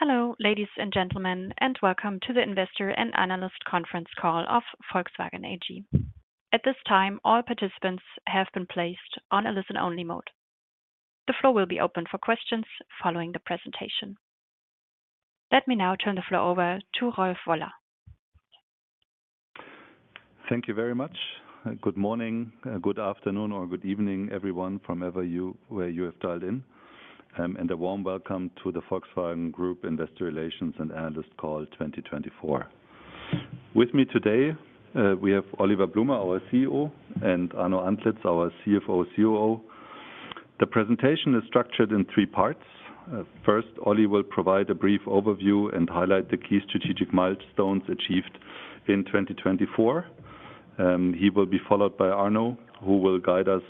Hello, ladies and gentlemen, and welcome to the Investor and Analyst Conference call of Volkswagen AG. At this time, all participants have been placed on a listen-only mode. The floor will be open for questions following the presentation. Let me now turn the floor over to Rolf Woller. Thank you very much. Good morning, good afternoon, or good evening, everyone from wherever you have dialed in, and a warm welcome to the Volkswagen Group Investor Relations and Analyst Call 2024. With me today, we have Oliver Blume, our CEO, and Arno Antlitz, our CFO/COO. The presentation is structured in three parts. First, Oliver will provide a brief overview and highlight the key strategic milestones achieved in 2024. He will be followed by Arno, who will guide us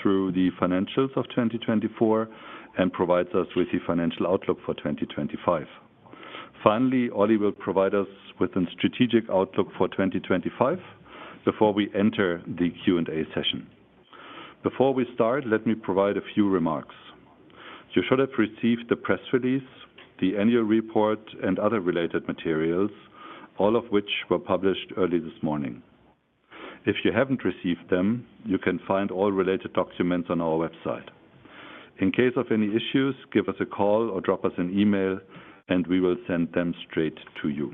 through the financials of 2024 and provide us with the financial outlook for 2025. Finally, Oliver will provide us with a strategic outlook for 2025 before we enter the Q&A session. Before we start, let me provide a few remarks. You should have received the press release, the annual report, and other related materials, all of which were published early this morning. If you have not received them, you can find all related documents on our website. In case of any issues, give us a call or drop us an email, and we will send them straight to you.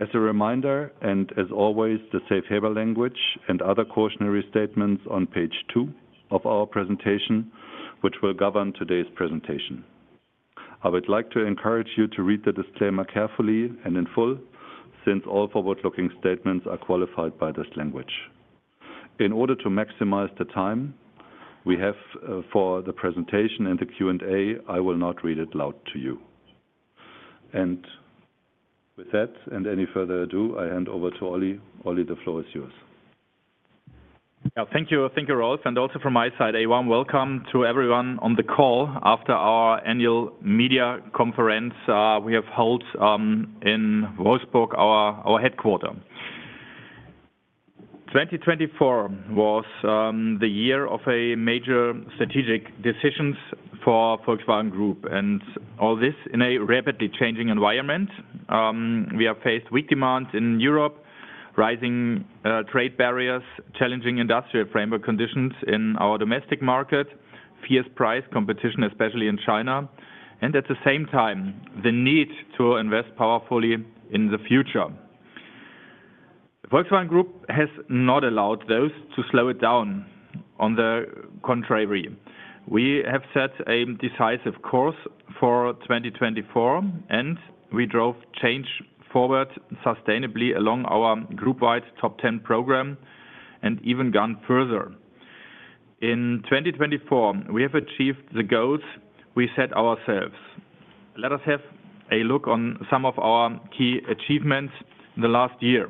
As a reminder, and as always, the safe haven language and other cautionary statements on page two of our presentation, which will govern today's presentation. I would like to encourage you to read the disclaimer carefully and in full, since all forward-looking statements are qualified by this language. In order to maximize the time we have for the presentation and the Q&A, I will not read it loud to you. With that, without any further ado, I hand over to Olli. Olli, the floor is yours. Thank you, Rolf. Also from my side, a warm welcome to everyone on the call. After our annual media conference, we have held in Wolfsburg, our headquarters. 2024 was the year of major strategic decisions for Volkswagen Group, and all this in a rapidly changing environment. We have faced weak demand in Europe, rising trade barriers, challenging industrial framework conditions in our domestic market, fierce price competition, especially in China, and at the same time, the need to invest powerfully in the future. Volkswagen Group has not allowed those to slow it down. On the contrary, we have set a decisive course for 2024, and we drove change forward sustainably along our group-wide Top 10 program and even gone further. In 2024, we have achieved the goals we set ourselves. Let us have a look on some of our key achievements in the last year.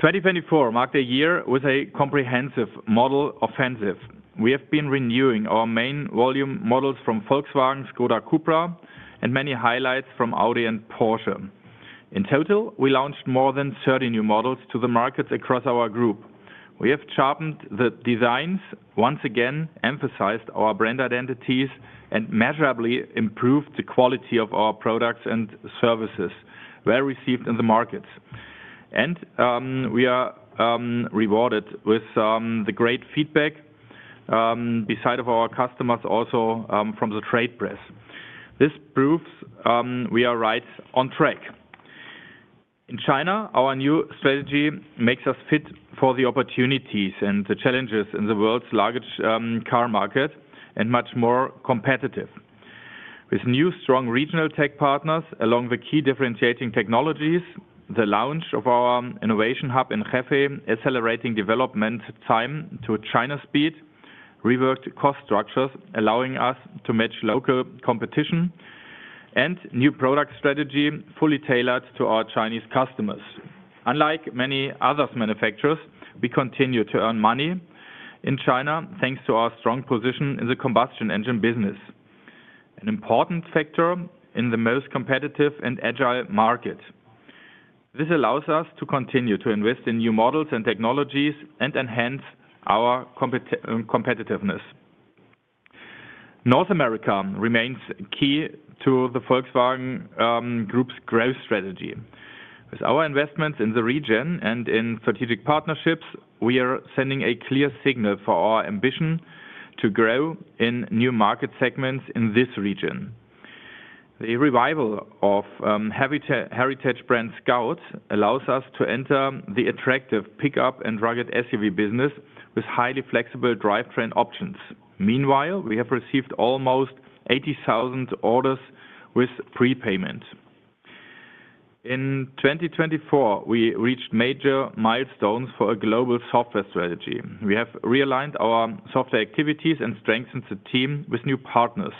2024 marked a year with a comprehensive model offensive. We have been renewing our main volume models from Volkswagen, Skoda, and Cupra, and many highlights from Audi and Porsche. In total, we launched more than 30 new models to the markets across our group. We have sharpened the designs, once again emphasized our brand identities, and measurably improved the quality of our products and services, well received in the markets. We are rewarded with the great feedback beside our customers, also from the trade press. This proves we are right on track. In China, our new strategy makes us fit for the opportunities and the challenges in the world's largest car market and much more competitive. With new, strong regional tech partners along the key differentiating technologies, the launch of our innovation hub in Hefei accelerating development time to China speed, reworked cost structures allowing us to match local competition, and new product strategy fully tailored to our Chinese customers. Unlike many other manufacturers, we continue to earn money in China thanks to our strong position in the combustion engine business, an important factor in the most competitive and agile market. This allows us to continue to invest in new models and technologies and enhance our competitiveness. North America remains key to the Volkswagen Group's growth strategy. With our investments in the region and in strategic partnerships, we are sending a clear signal for our ambition to grow in new market segments in this region. The revival of heritage brand Scout allows us to enter the attractive pickup and rugged SUV business with highly flexible drivetrain options. Meanwhile, we have received almost 80,000 orders with prepayment. In 2024, we reached major milestones for a global software strategy. We have realigned our software activities and strengthened the team with new partners.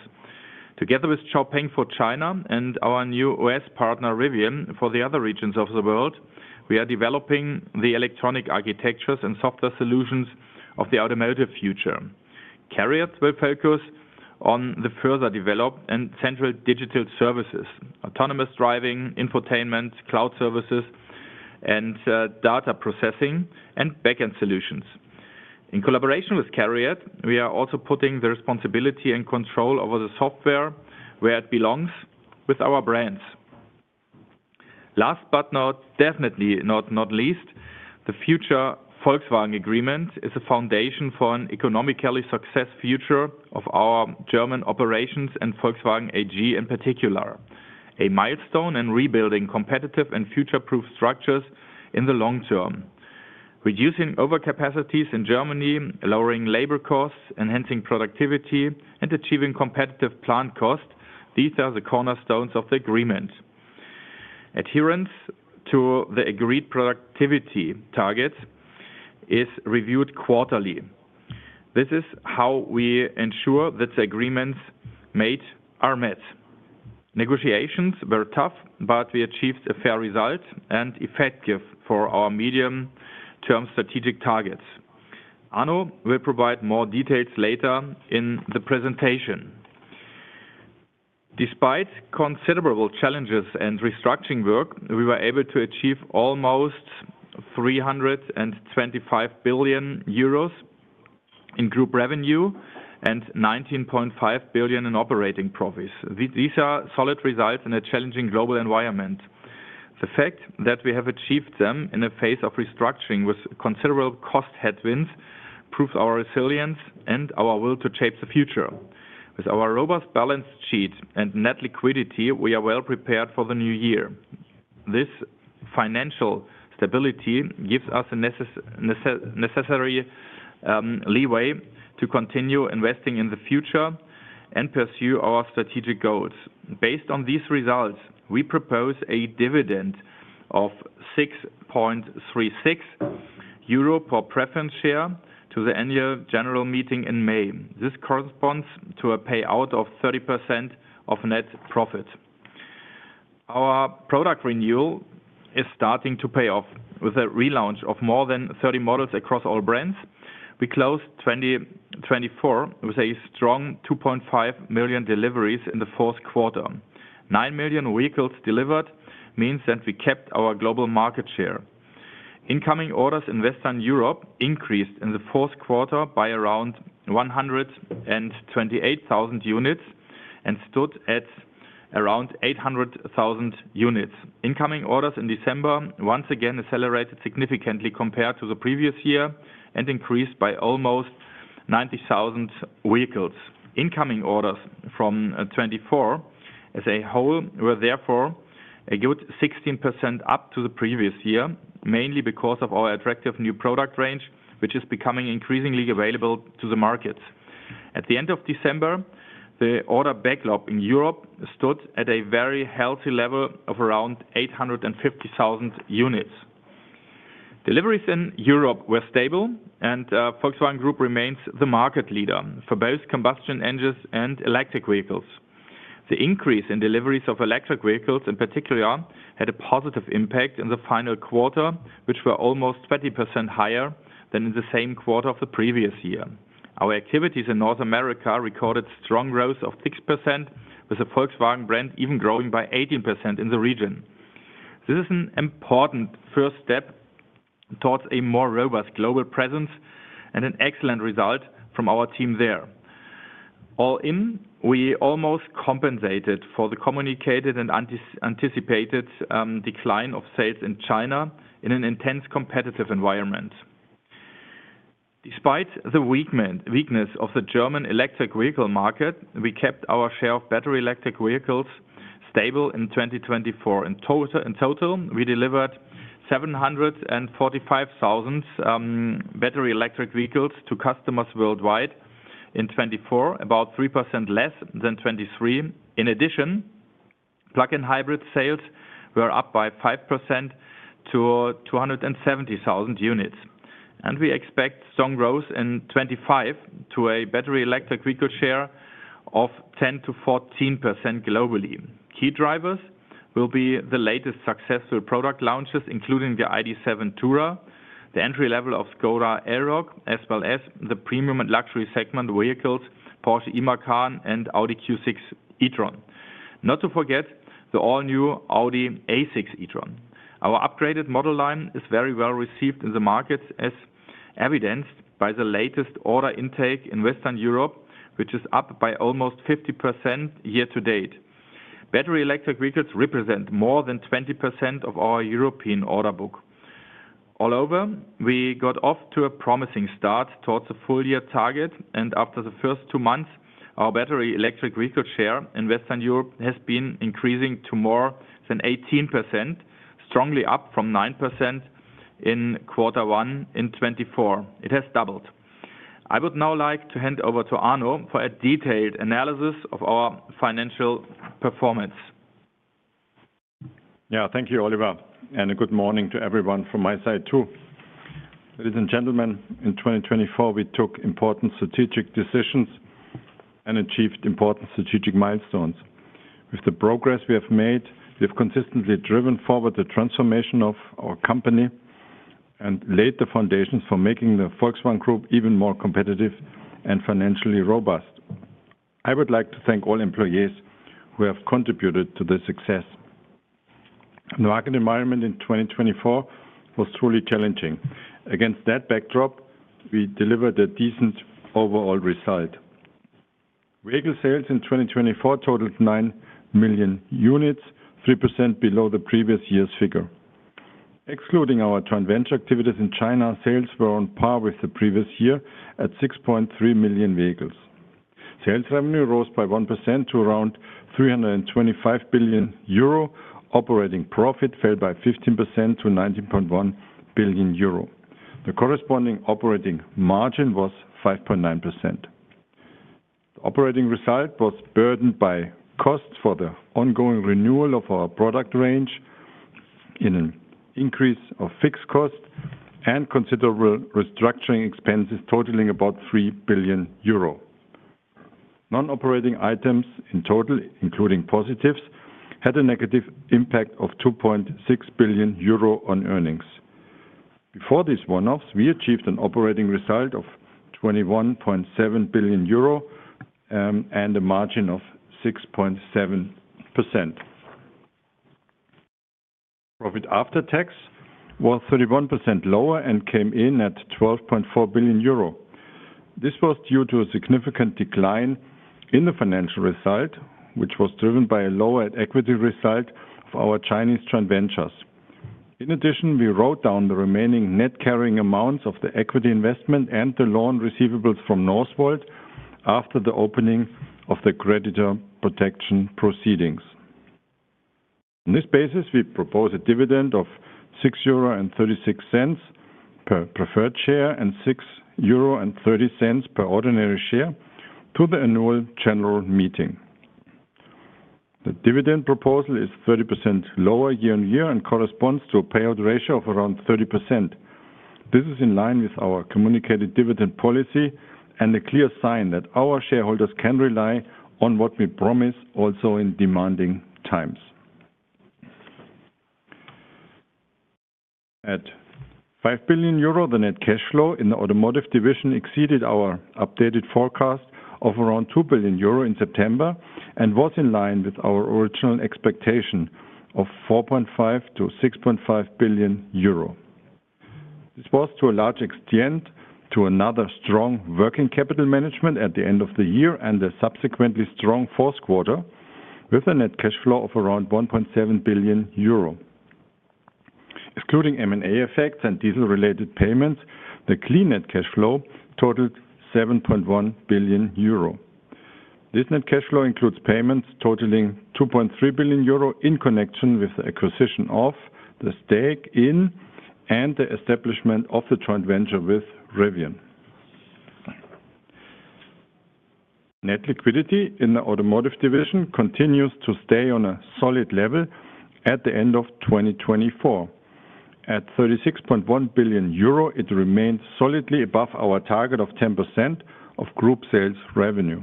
Together with XPeng for China and our new U.S. partner Rivian for the other regions of the world, we are developing the electronic architectures and software solutions of the automotive future. CARIAD will focus on the further developed and central digital services, autonomous driving, infotainment, cloud services, and data processing and backend solutions. In collaboration with CARIAD, we are also putting the responsibility and control over the software where it belongs with our brands. Last but definitely not least, the Future Volkswagen Agreement is a foundation for an economically successful future of our German operations and Volkswagen AG in particular, a milestone in rebuilding competitive and future-proof structures in the long term. Reducing overcapacities in Germany, lowering labor costs, enhancing productivity, and achieving competitive plant costs, these are the cornerstones of the agreement. Adherence to the agreed productivity target is reviewed quarterly. This is how we ensure that the agreements made are met. Negotiations were tough, but we achieved a fair result and effective for our medium-term strategic targets. Arno will provide more details later in the presentation. Despite considerable challenges and restructuring work, we were able to achieve almost 325 billion euros in group revenue and 19.5 billion in operating profits. These are solid results in a challenging global environment. The fact that we have achieved them in a phase of restructuring with considerable cost headwinds proves our resilience and our will to shape the future. With our robust balance sheet and net liquidity, we are well prepared for the new year. This financial stability gives us the necessary leeway to continue investing in the future and pursue our strategic goals. Based on these results, we propose a dividend of 6.36 euro per preference share to the annual general meeting in May. This corresponds to a payout of 30% of net profit. Our product renewal is starting to pay off with a relaunch of more than 30 models across all brands. We closed 2024 with a strong 2.5 million deliveries in the fourth quarter. 9 million vehicles delivered means that we kept our global market share. Incoming orders in Western Europe increased in the fourth quarter by around 128,000 units and stood at around 800,000 units. Incoming orders in December once again accelerated significantly compared to the previous year and increased by almost 90,000 vehicles. Incoming orders from 2024 as a whole were therefore a good 16% up to the previous year, mainly because of our attractive new product range, which is becoming increasingly available to the markets. At the end of December, the order backlog in Europe stood at a very healthy level of around 850,000 units. Deliveries in Europe were stable, and Volkswagen Group remains the market leader for both combustion engines and electric vehicles. The increase in deliveries of electric vehicles in particular had a positive impact in the final quarter, which were almost 20% higher than in the same quarter of the previous year. Our activities in North America recorded strong growth of 6%, with the Volkswagen brand even growing by 18% in the region. This is an important first step towards a more robust global presence and an excellent result from our team there. All in, we almost compensated for the communicated and anticipated decline of sales in China in an intense competitive environment. Despite the weakness of the German electric vehicle market, we kept our share of battery electric vehicles stable in 2024. In total, we delivered 745,000 battery electric vehicles to customers worldwide in 2024, about 3% less than 2023. In addition, plug-in hybrid sales were up by 5% to 270,000 units. We expect strong growth in 2025 to a battery electric vehicle share of 10%-14% globally. Key drivers will be the latest successful product launches, including the ID.7 Tourer, the entry-level Škoda Elroq, as well as the premium and luxury segment vehicles Porsche Macan Electric and Audi Q6 e-tron. Not to forget the all-new Audi A6 e-tron. Our upgraded model line is very well received in the markets, as evidenced by the latest order intake in Western Europe, which is up by almost 50% year to date. Battery electric vehicles represent more than 20% of our European order book. All over, we got off to a promising start towards the full-year target, and after the first two months, our battery electric vehicle share in Western Europe has been increasing to more than 18%, strongly up from 9% in quarter one in 2024. It has doubled. I would now like to hand over to Arno for a detailed analysis of our financial performance. Yeah, thank you, Oliver, and good morning to everyone from my side too. Ladies and gentlemen, in 2024, we took important strategic decisions and achieved important strategic milestones. With the progress we have made, we have consistently driven forward the transformation of our company and laid the foundations for making the Volkswagen Group even more competitive and financially robust. I would like to thank all employees who have contributed to the success. The market environment in 2024 was truly challenging. Against that backdrop, we delivered a decent overall result. Vehicle sales in 2024 totaled 9 million units, 3% below the previous year's figure. Excluding our joint venture activities in China, sales were on par with the previous year at 6.3 million vehicles. Sales revenue rose by 1% to around 325 billion euro. Operating profit fell by 15% to 19.1 billion euro. The corresponding operating margin was 5.9%. The operating result was burdened by costs for the ongoing renewal of our product range in an increase of fixed costs and considerable restructuring expenses totaling about 3 billion euro. Non-operating items in total, including positives, had a negative impact of 2.6 billion euro on earnings. Before these one-offs, we achieved an operating result of 21.7 billion euro and a margin of 6.7%. Profit after tax was 31% lower and came in at 12.4 billion euro. This was due to a significant decline in the financial result, which was driven by a lower equity result of our Chinese joint ventures. In addition, we wrote down the remaining net carrying amounts of the equity investment and the loan receivables from Northvolt after the opening of the creditor protection proceedings. On this basis, we propose a dividend of 6.36 euro per preferred share and 6.30 euro per ordinary share to the annual general meeting. The dividend proposal is 30% lower year on year and corresponds to a payout ratio of around 30%. This is in line with our communicated dividend policy and a clear sign that our shareholders can rely on what we promise also in demanding times. At 5 billion euro, the net cash flow in the automotive division exceeded our updated forecast of around 2 billion euro in September and was in line with our original expectation of 4.5 billion-6.5 billion euro. This was to a large extent due to another strong working capital management at the end of the year and the subsequently strong fourth quarter with a net cash flow of around 1.7 billion euro. Excluding M&A effects and diesel-related payments, the clean net cash flow totaled 7.1 billion euro. This net cash flow includes payments totaling 2.3 billion euro in connection with the acquisition of the stake in and the establishment of the joint venture with Rivian. Net liquidity in the automotive division continues to stay on a solid level at the end of 2024. At 36.1 billion euro, it remained solidly above our target of 10% of group sales revenue.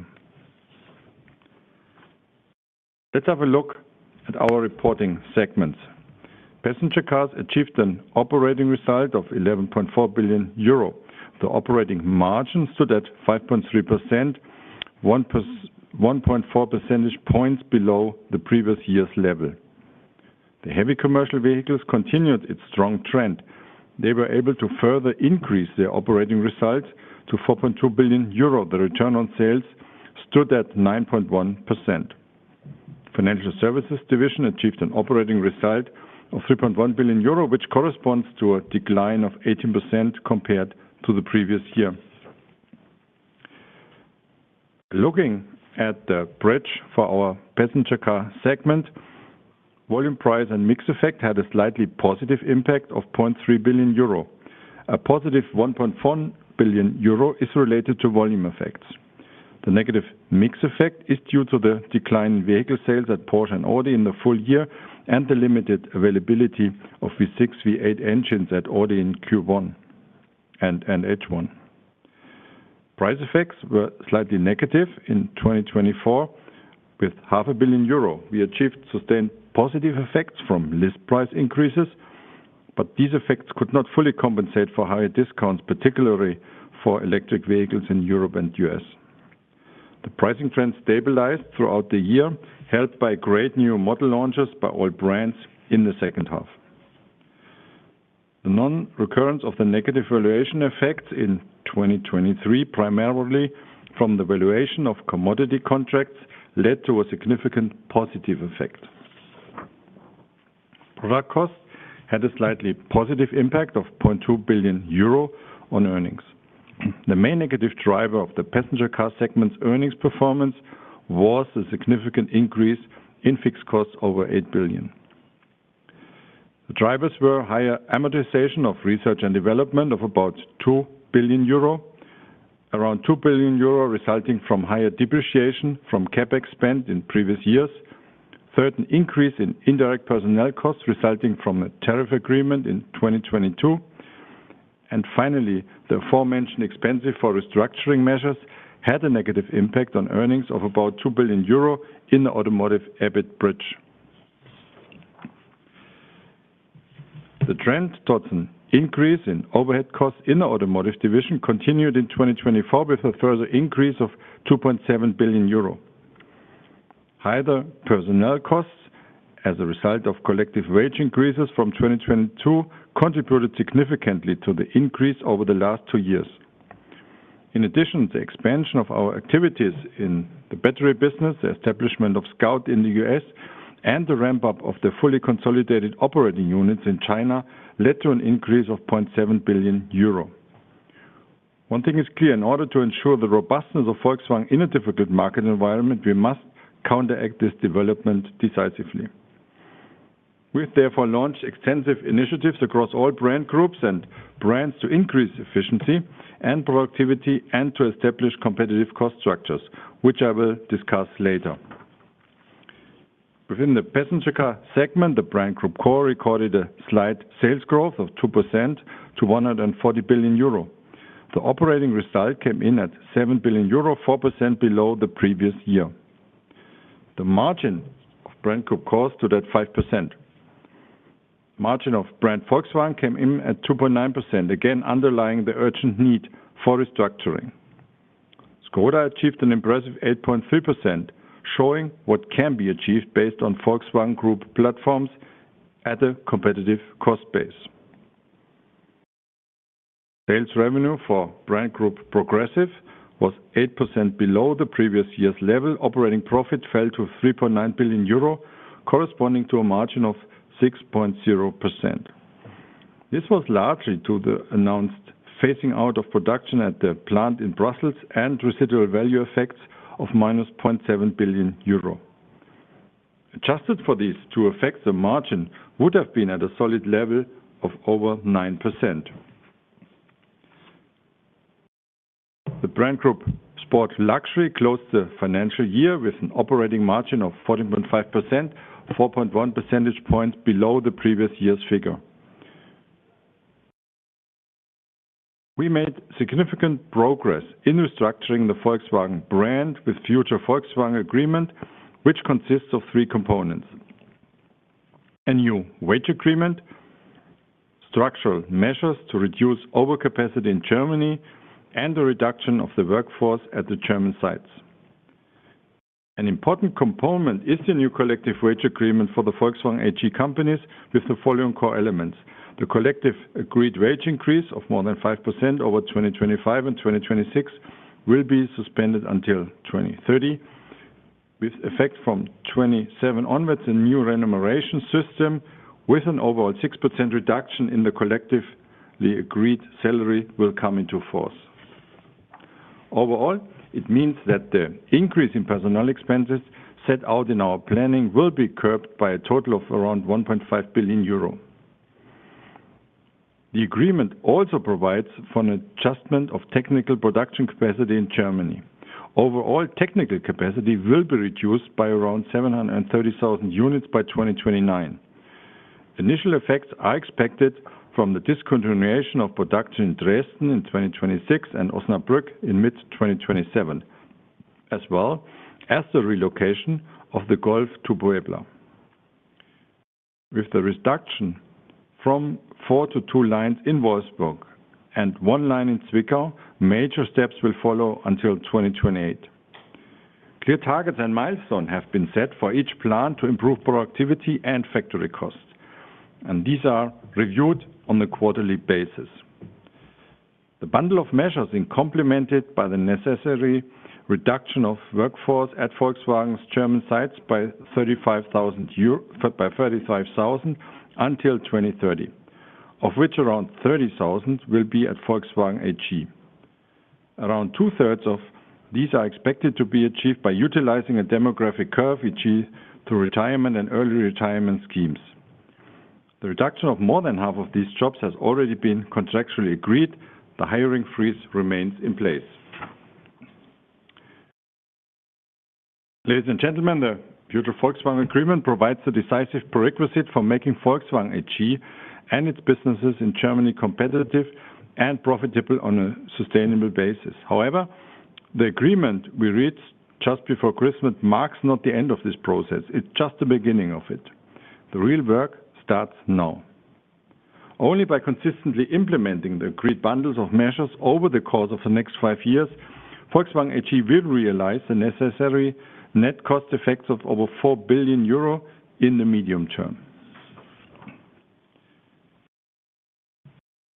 Let's have a look at our reporting segments. Passenger cars achieved an operating result of 11.4 billion euro. The operating margin stood at 5.3%, 1.4 percentage points below the previous year's level. The heavy commercial vehicles continued its strong trend. They were able to further increase their operating result to 4.2 billion euro. The return on sales stood at 9.1%. The financial services division achieved an operating result of 3.1 billion euro, which corresponds to a decline of 18% compared to the previous year. Looking at the bridge for our passenger car segment, volume, price, and mix effect had a slightly positive impact of 0.3 billion euro. A positive [1.1] billion euro is related to volume effects. The negative mix effect is due to the decline in vehicle sales at Porsche and Audi in the full year and the limited availability of V6, V8 engines at Audi in Q1 and H1. Price effects were slightly negative in 2024. With 500 million euro, we achieved sustained positive effects from list price increases, but these effects could not fully compensate for higher discounts, particularly for electric vehicles in Europe and the U.S. The pricing trend stabilized throughout the year, helped by great new model launches by all brands in the second half. The non-recurrence of the negative valuation effects in 2023, primarily from the valuation of commodity contracts, led to a significant positive effect. Product costs had a slightly positive impact of 0.2 billion euro on earnings. The main negative driver of the passenger car segment's earnings performance was the significant increase in fixed costs over 8 billion. The drivers were higher amortization of research and development of about 2 billion euro, around 2 billion euro resulting from higher depreciation from CapEx spent in previous years, a certain increase in indirect personnel costs resulting from a tariff agreement in 2022, and finally, the aforementioned expenses for restructuring measures had a negative impact on earnings of about 2 billion euro in the automotive EBIT bridge. The trend towards an increase in overhead costs in the automotive division continued in 2024 with a further increase of 2.7 billion euro. Higher personnel costs as a result of collective wage increases from 2022 contributed significantly to the increase over the last two years. In addition, the expansion of our activities in the battery business, the establishment of Scout in the U.S., and the ramp-up of the fully consolidated operating units in China led to an increase of 0.7 billion euro. One thing is clear: in order to ensure the robustness of Volkswagen in a difficult market environment, we must counteract this development decisively. We have therefore launched extensive initiatives across all brand groups and brands to increase efficiency and productivity and to establish competitive cost structures, which I will discuss later. Within the passenger car segment, the brand group Core recorded a slight sales growth of 2% to 140 billion euro. The operating result came in at 7 billion euro, 4% below the previous year. The margin of brand group Core stood at 5%. Margin of brand Volkswagen came in at 2.9%, again underlying the urgent need for restructuring. Škoda achieved an impressive 8.3%, showing what can be achieved based on Volkswagen Group platforms at a competitive cost base. Sales revenue for brand group Progressive was 8% below the previous year's level. Operating profit fell to 3.9 billion euro, corresponding to a margin of 6.0%. This was largely due to the announced phasing out of production at the plant in Brussels and residual value effects of -0.7 billion euro. Adjusted for these two effects, the margin would have been at a solid level of over 9%. The brand group Sport Luxury closed the financial year with an operating margin of 14.5%, 4.1 percentage points below the previous year's figure. We made significant progress in restructuring the Volkswagen brand with Future Volkswagen Agreement, which consists of three components: a new wage agreement, structural measures to reduce overcapacity in Germany, and a reduction of the workforce at the German sites. An important component is the new collective wage agreement for the Volkswagen AG companies with the following core elements. The collective agreed wage increase of more than 5% over 2025 and 2026 will be suspended until 2030, with effect from 2027 onwards. A new remuneration system with an overall 6% reduction in the collectively agreed salary will come into force. Overall, it means that the increase in personnel expenses set out in our planning will be curbed by a total of around 1.5 billion euro. The agreement also provides for an adjustment of technical production capacity in Germany. Overall, technical capacity will be reduced by around 730,000 units by 2029. Initial effects are expected from the discontinuation of production in Dresden in 2026 and Osnabrück in mid-2027, as well as the relocation of the Golf to Puebla. With the reduction from four to two lines in Wolfsburg and one line in Zwickau, major steps will follow until 2028. Clear targets and milestones have been set for each plan to improve productivity and factory costs, and these are reviewed on a quarterly basis. The bundle of measures is complemented by the necessary reduction of workforce at Volkswagen's German sites by 35,000 until 2030, of which around 30,000 will be at Volkswagen AG. Around two-thirds of these are expected to be achieved by utilizing a demographic curve achieved through retirement and early retirement schemes. The reduction of more than half of these jobs has already been contractually agreed. The hiring freeze remains in place. Ladies and gentlemen, the Future Volkswagen Agreement provides the decisive prerequisite for making Volkswagen AG and its businesses in Germany competitive and profitable on a sustainable basis. However, the agreement we read just before Christmas marks not the end of this process. It's just the beginning of it. The real work starts now. Only by consistently implementing the agreed bundles of measures over the course of the next five years, Volkswagen AG will realize the necessary net cost effects of over 4 billion euro in the medium term.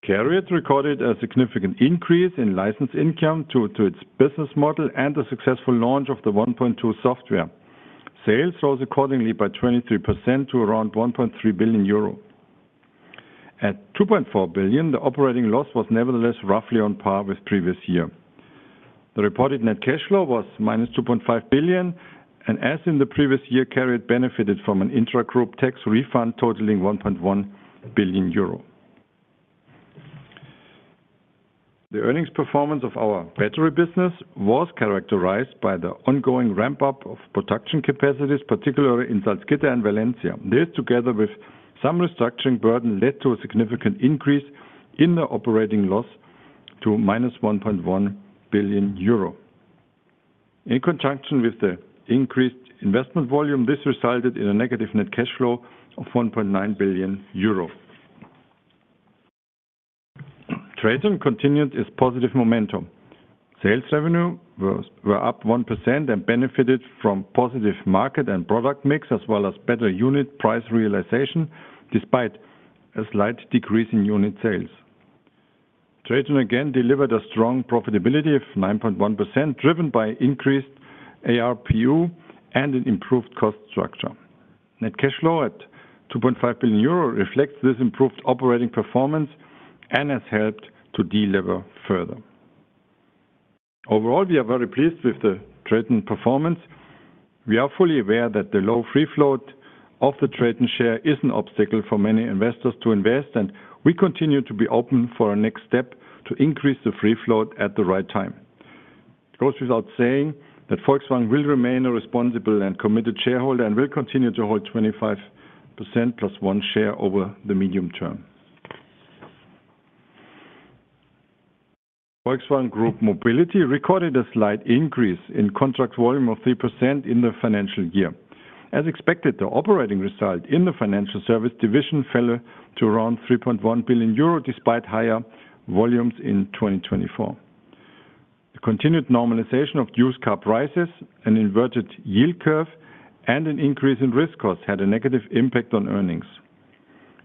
CARIAD recorded a significant increase in license income due to its business model and the successful launch of the 1.2 software. Sales rose accordingly by 23% to around 1.3 billion euro. At 2.4 billion, the operating loss was nevertheless roughly on par with the previous year. The reported net cash flow was -2.5 billion, and as in the previous year, carriers benefited from an intra-group tax refund totaling 1.1 billion euro. The earnings performance of our battery business was characterized by the ongoing ramp-up of production capacities, particularly in Salzgitter and Valencia. This, together with some restructuring burden, led to a significant increase in the operating loss to -1.1 billion euro. In conjunction with the increased investment volume, this resulted in a negative net cash flow of 1.9 billion euro. Traton continued its positive momentum. Sales revenue were up 1% and benefited from positive market and product mix, as well as better unit price realization despite a slight decrease in unit sales. Traton again delivered a strong profitability of 9.1%, driven by increased ARPU and an improved cost structure. Net cash flow at 2.5 billion euro reflects this improved operating performance and has helped to deliver further. Overall, we are very pleased with the trade-in performance. We are fully aware that the low free float of the trade-in share is an obstacle for many investors to invest, and we continue to be open for our next step to increase the free float at the right time. It goes without saying that Volkswagen will remain a responsible and committed shareholder and will continue to hold 25% plus one share over the medium term. Volkswagen Group Mobility recorded a slight increase in contract volume of 3% in the financial year. As expected, the operating result in the financial service division fell to around 3.1 billion euro despite higher volumes in 2024. The continued normalization of used car prices, an inverted yield curve, and an increase in risk costs had a negative impact on earnings.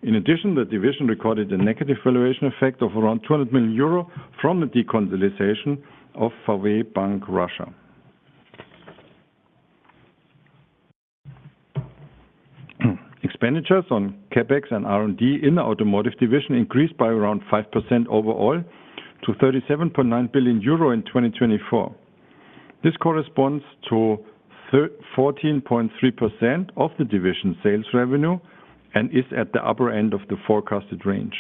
In addition, the division recorded a negative valuation effect of around 200 million euro from the deconsolidation of [VW] Bank Russia. Expenditures on CapEx and R&D in the automotive division increased by around 5% overall to 37.9 billion euro in 2024. This corresponds to 14.3% of the division's sales revenue and is at the upper end of the forecasted range.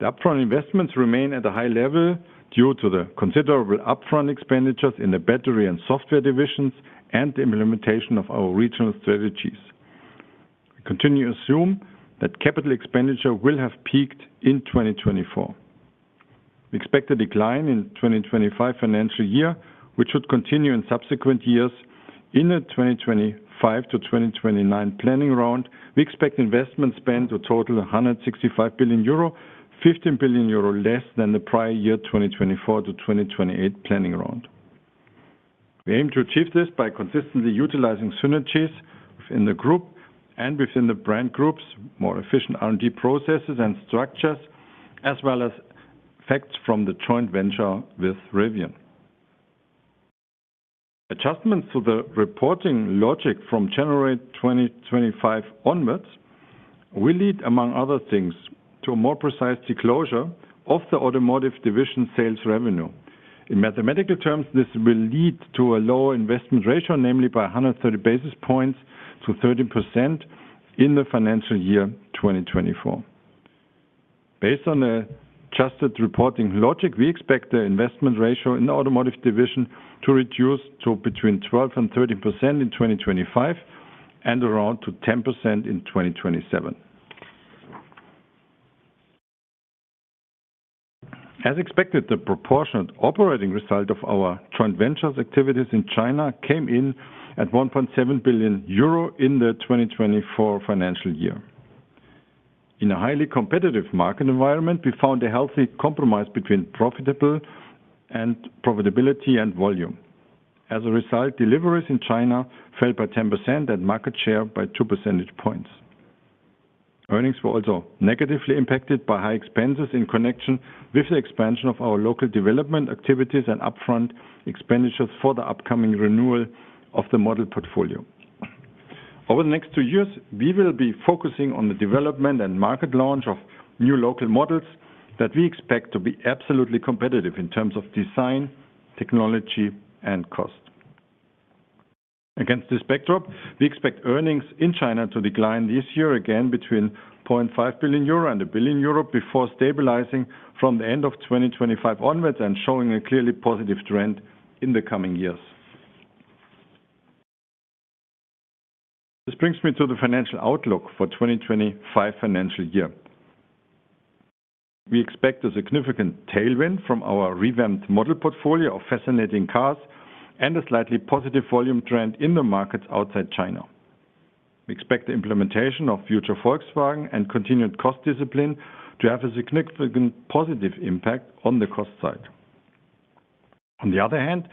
The upfront investments remain at a high level due to the considerable upfront expenditures in the battery and software divisions and the implementation of our regional strategies. We continue to assume that capital expenditure will have peaked in 2024. We expect a decline in the 2025 financial year, which should continue in subsequent years. In the 2025-2029 planning round, we expect investments spent to total 165 billion euro, 15 billion euro less than the prior year 2024-2028 planning round. We aim to achieve this by consistently utilizing synergies within the group and within the brand groups, more efficient R&D processes and structures, as well as effects from the joint venture with Rivian. Adjustments to the reporting logic from January 2025 onwards will lead, among other things, to a more precise declosure of the automotive division sales revenue. In mathematical terms, this will lead to a lower investment ratio, namely by 130 basis points to 13% in the financial year 2024. Based on the adjusted reporting logic, we expect the investment ratio in the automotive division to reduce to between 12% and 13% in 2025 and around to 10% in 2027. As expected, the proportionate operating result of our joint ventures activities in China came in at 1.7 billion euro in the 2024 financial year. In a highly competitive market environment, we found a healthy compromise between profitability and volume. As a result, deliveries in China fell by 10% and market share by two percentage points. Earnings were also negatively impacted by high expenses in connection with the expansion of our local development activities and upfront expenditures for the upcoming renewal of the model portfolio. Over the next two years, we will be focusing on the development and market launch of new local models that we expect to be absolutely competitive in terms of design, technology, and cost. Against this backdrop, we expect earnings in China to decline this year again between 0.5 billion euro and 1 billion euro before stabilizing from the end of 2025 onwards and showing a clearly positive trend in the coming years. This brings me to the financial outlook for 2025 financial year. We expect a significant tailwind from our revamped model portfolio of fascinating cars and a slightly positive volume trend in the markets outside China. We expect the implementation of Future Volkswagen and continued cost discipline to have a significant positive impact on the cost side. On the other hand,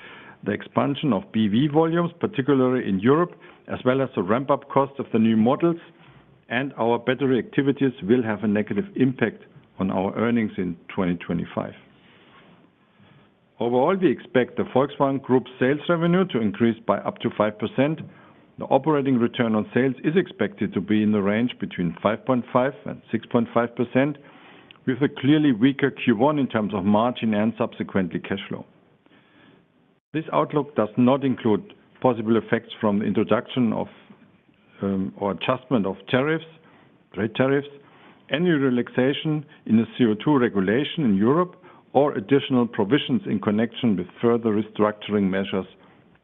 the expansion of BEV volumes, particularly in Europe, as well as the ramp-up cost of the new models and our battery activities, will have a negative impact on our earnings in 2025. Overall, we expect the Volkswagen Group's sales revenue to increase by up to 5%. The operating return on sales is expected to be in the range between 5.5% and 6.5%, with a clearly weaker Q1 in terms of margin and subsequently cash flow. This outlook does not include possible effects from the introduction of or adjustment of tariffs, trade tariffs, any relaxation in the CO2 regulation in Europe, or additional provisions in connection with further restructuring measures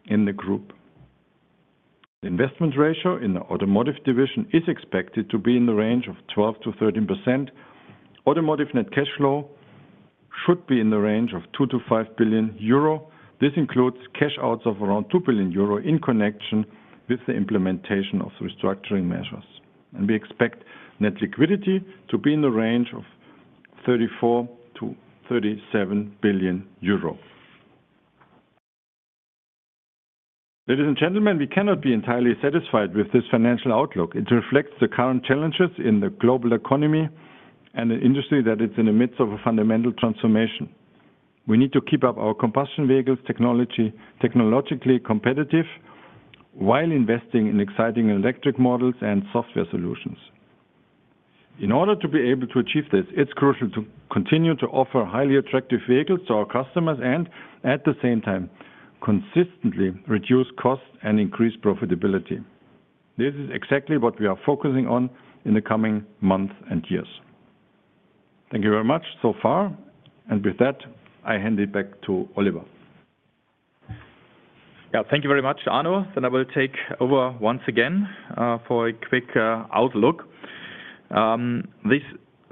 in the group. The investment ratio in the automotive division is expected to be in the range of 12%-13%. Automotive net cash flow should be in the range of 2 billion-5 billion euro. This includes cash outs of around 2 billion euro in connection with the implementation of restructuring measures. We expect net liquidity to be in the range of 34 billion-37 billion euro. Ladies and gentlemen, we cannot be entirely satisfied with this financial outlook. It reflects the current challenges in the global economy and the industry that is in the midst of a fundamental transformation. We need to keep up our combustion vehicles technologically competitive while investing in exciting electric models and software solutions. In order to be able to achieve this, it's crucial to continue to offer highly attractive vehicles to our customers and, at the same time, consistently reduce costs and increase profitability. This is exactly what we are focusing on in the coming months and years. Thank you very much so far. With that, I hand it back to Oliver. Yeah, thank you very much, Arno. I will take over once again for a quick outlook. These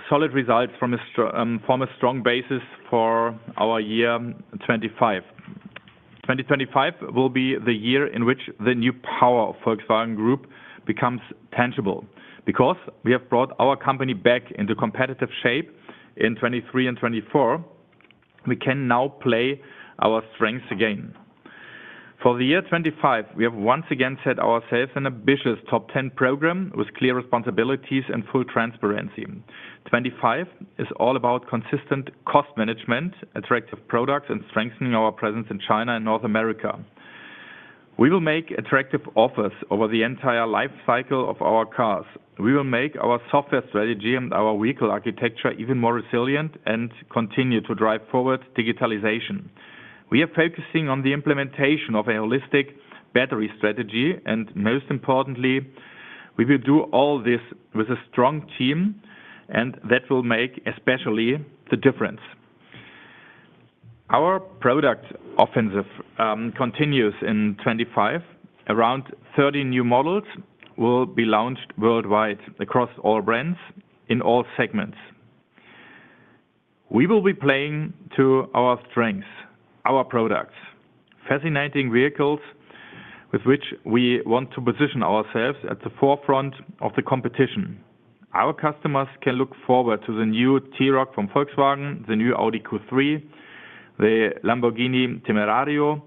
solid results form a strong basis for our year 2025. 2025 will be the year in which the new power of Volkswagen Group becomes tangible. Because we have brought our company back into competitive shape in 2023 and 2024, we can now play our strengths again. For the year 2025, we have once again set ourselves an ambitious top 10 program with clear responsibilities and full transparency. 2025 is all about consistent cost management, attractive products, and strengthening our presence in China and North America. We will make attractive offers over the entire life cycle of our cars. We will make our software strategy and our vehicle architecture even more resilient and continue to drive forward digitalization. We are focusing on the implementation of a holistic battery strategy, and most importantly, we will do all this with a strong team, and that will make especially the difference. Our product offensive continues in 2025. Around 30 new models will be launched worldwide across all brands in all segments. We will be playing to our strengths, our products, fascinating vehicles with which we want to position ourselves at the forefront of the competition. Our customers can look forward to the new T-Roc from Volkswagen, the new Audi Q3, the Lamborghini Temerario,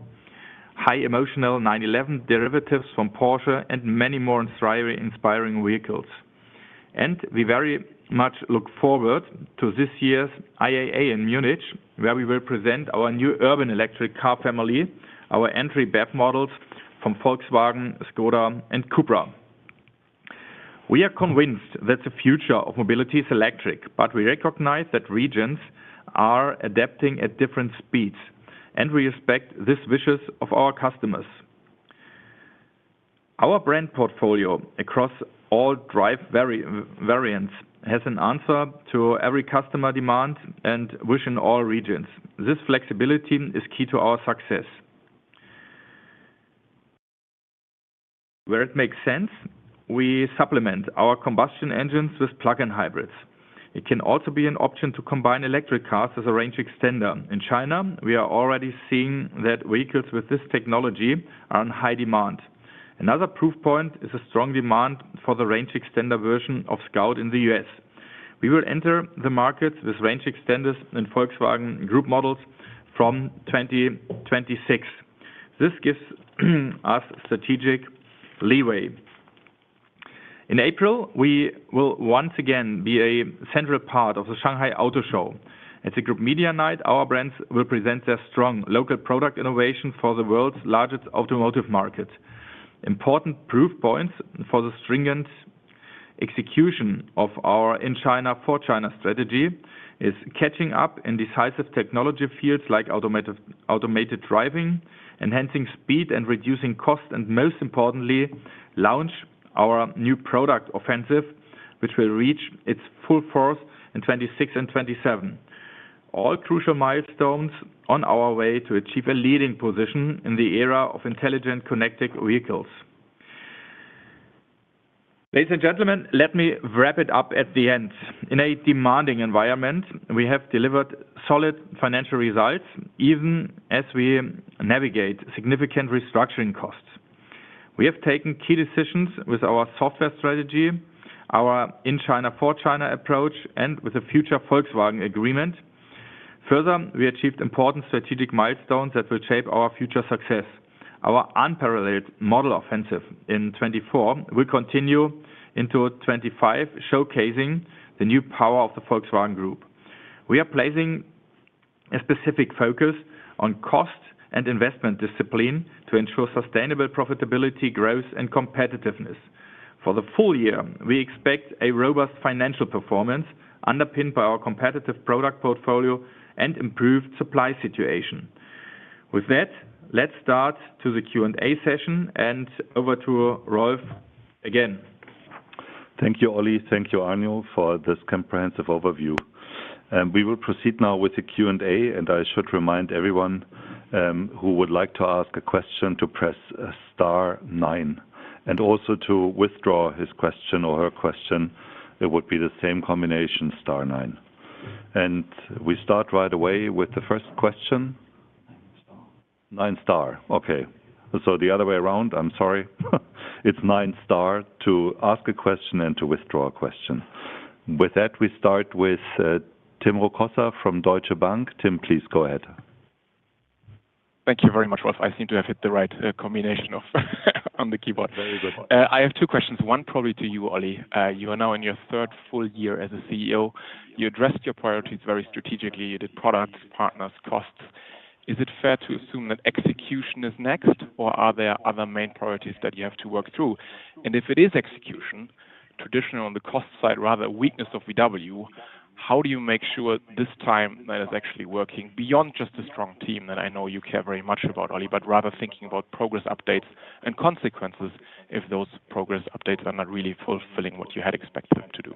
high-emotional 911 derivatives from Porsche, and many more inspiring vehicles. We very much look forward to this year's IAA in Munich, where we will present our new urban electric car family, our entry-BEV models from Volkswagen, Škoda, and Cupra. We are convinced that the future of mobility is electric, but we recognize that regions are adapting at different speeds, and we respect these wishes of our customers. Our brand portfolio across all drive variants has an answer to every customer demand and wish in all regions. This flexibility is key to our success. Where it makes sense, we supplement our combustion engines with plug-in hybrids. It can also be an option to combine electric cars with a range extender. In China, we are already seeing that vehicles with this technology are in high demand. Another proof point is the strong demand for the range extender version of Scout in the U.S. We will enter the markets with range extenders and Volkswagen Group models from 2026. This gives us strategic leeway. In April, we will once again be a central part of the Shanghai Auto Show. At the Group Media Night, our brands will present their strong local product innovation for the world's largest automotive market. Important proof points for the stringent execution of our in-China for China strategy is catching up in decisive technology fields like automated driving, enhancing speed and reducing cost, and most importantly, launch our new product offensive, which will reach its full force in 2026 and 2027. All crucial milestones on our way to achieve a leading position in the era of intelligent connected vehicles. Ladies and gentlemen, let me wrap it up at the end. In a demanding environment, we have delivered solid financial results even as we navigate significant restructuring costs. We have taken key decisions with our software strategy, our in-China for China approach, and with the Future Volkswagen Agreement. Further, we achieved important strategic milestones that will shape our future success. Our unparalleled model offensive in 2024 will continue into 2025, showcasing the new power of the Volkswagen Group. We are placing a specific focus on cost and investment discipline to ensure sustainable profitability, growth, and competitiveness. For the full year, we expect a robust financial performance underpinned by our competitive product portfolio and improved supply situation. With that, let's start the Q&A session and over to Rolf again. Thank you, Olli. Thank you, Arno, for this comprehensive overview. We will proceed now with the Q&A, and I should remind everyone who would like to ask a question to press star nine and also to withdraw his question or her question. It would be the same combination, star nine. We start right away with the first question. Nine star. Nine star. Okay. The other way around, I'm sorry. It is nine star to ask a question and to withdraw a question. With that, we start with Tim Rokossa from Deutsche Bank. Tim, please go ahead. Thank you very much, Rolf. I think you have hit the right combination on the keyboard. Very good. I have two questions. One probably to you, Olli. You are now in your third full year as a CEO. You addressed your priorities very strategically. You did products, partners, costs. Is it fair to assume that execution is next, or are there other main priorities that you have to work through? If it is execution, traditional on the cost side, rather weakness of VW, how do you make sure this time that is actually working beyond just a strong team that I know you care very much about, Olli, but rather thinking about progress updates and consequences if those progress updates are not really fulfilling what you had expected them to do?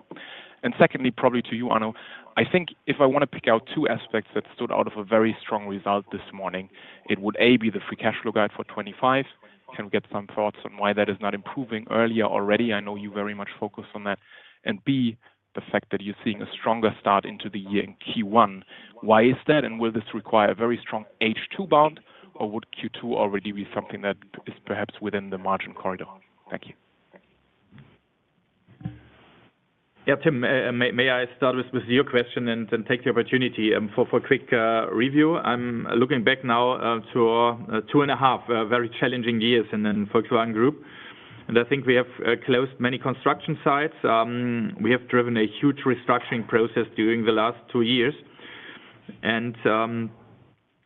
Secondly, probably to you, Arno, I think if I want to pick out two aspects that stood out of a very strong result this morning, it would A, be the free cash flow guide for 2025. Can we get some thoughts on why that is not improving earlier already? I know you very much focus on that. B, the fact that you're seeing a stronger start into the year in Q1. Why is that? And will this require a very strong H2 bound, or would Q2 already be something that is perhaps within the margin corridor? Thank you. Yeah, Tim, may I start with your question and take the opportunity for a quick review? I'm looking back now to two and a half very challenging years in the Volkswagen Group. I think we have closed many construction sites. We have driven a huge restructuring process during the last two years.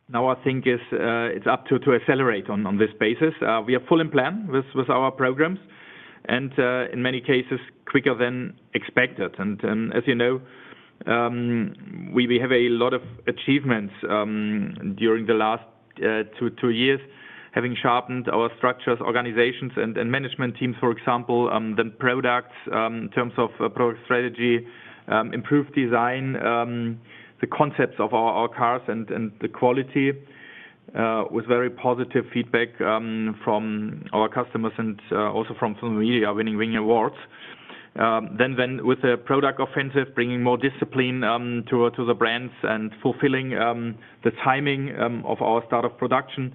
Now I think it's up to accelerate on this basis. We are full in plan with our programs and in many cases quicker than expected. As you know, we have a lot of achievements during the last two years, having sharpened our structures, organizations, and management teams, for example, then products in terms of product strategy, improved design, the concepts of our cars, and the quality with very positive feedback from our customers and also from media winning awards. With the product offensive, bringing more discipline to the brands and fulfilling the timing of our start of production,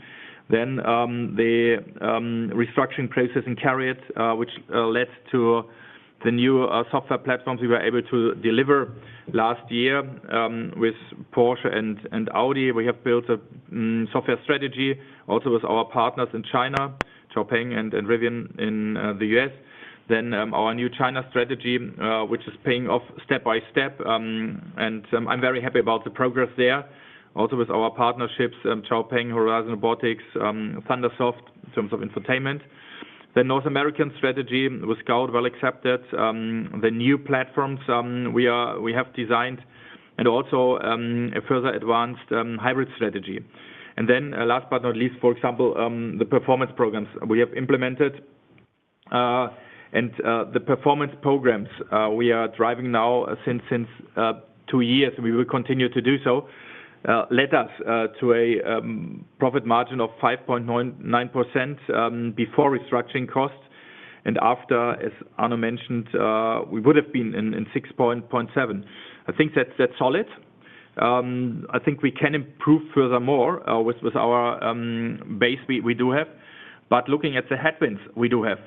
the restructuring process in CARIAD, which led to the new software platforms we were able to deliver last year with Porsche and Audi. We have built a software strategy also with our partners in China, XPeng and Rivian in the U.S. Our new China strategy is paying off step by step. I am very happy about the progress there, also with our partnerships, XPeng, Horizon Robotics, ThunderSoft in terms of infotainment. The North American strategy with Scout well accepted. The new platforms we have designed and also a further advanced hybrid strategy. Last but not least, for example, the performance programs we have implemented and the performance programs we are driving now since two years, and we will continue to do so, led us to a profit margin of 5.9% before restructuring cost. After, as Arno mentioned, we would have been in 6.7%. I think that's solid. I think we can improve furthermore with our base we do have. Looking at the headwinds we do have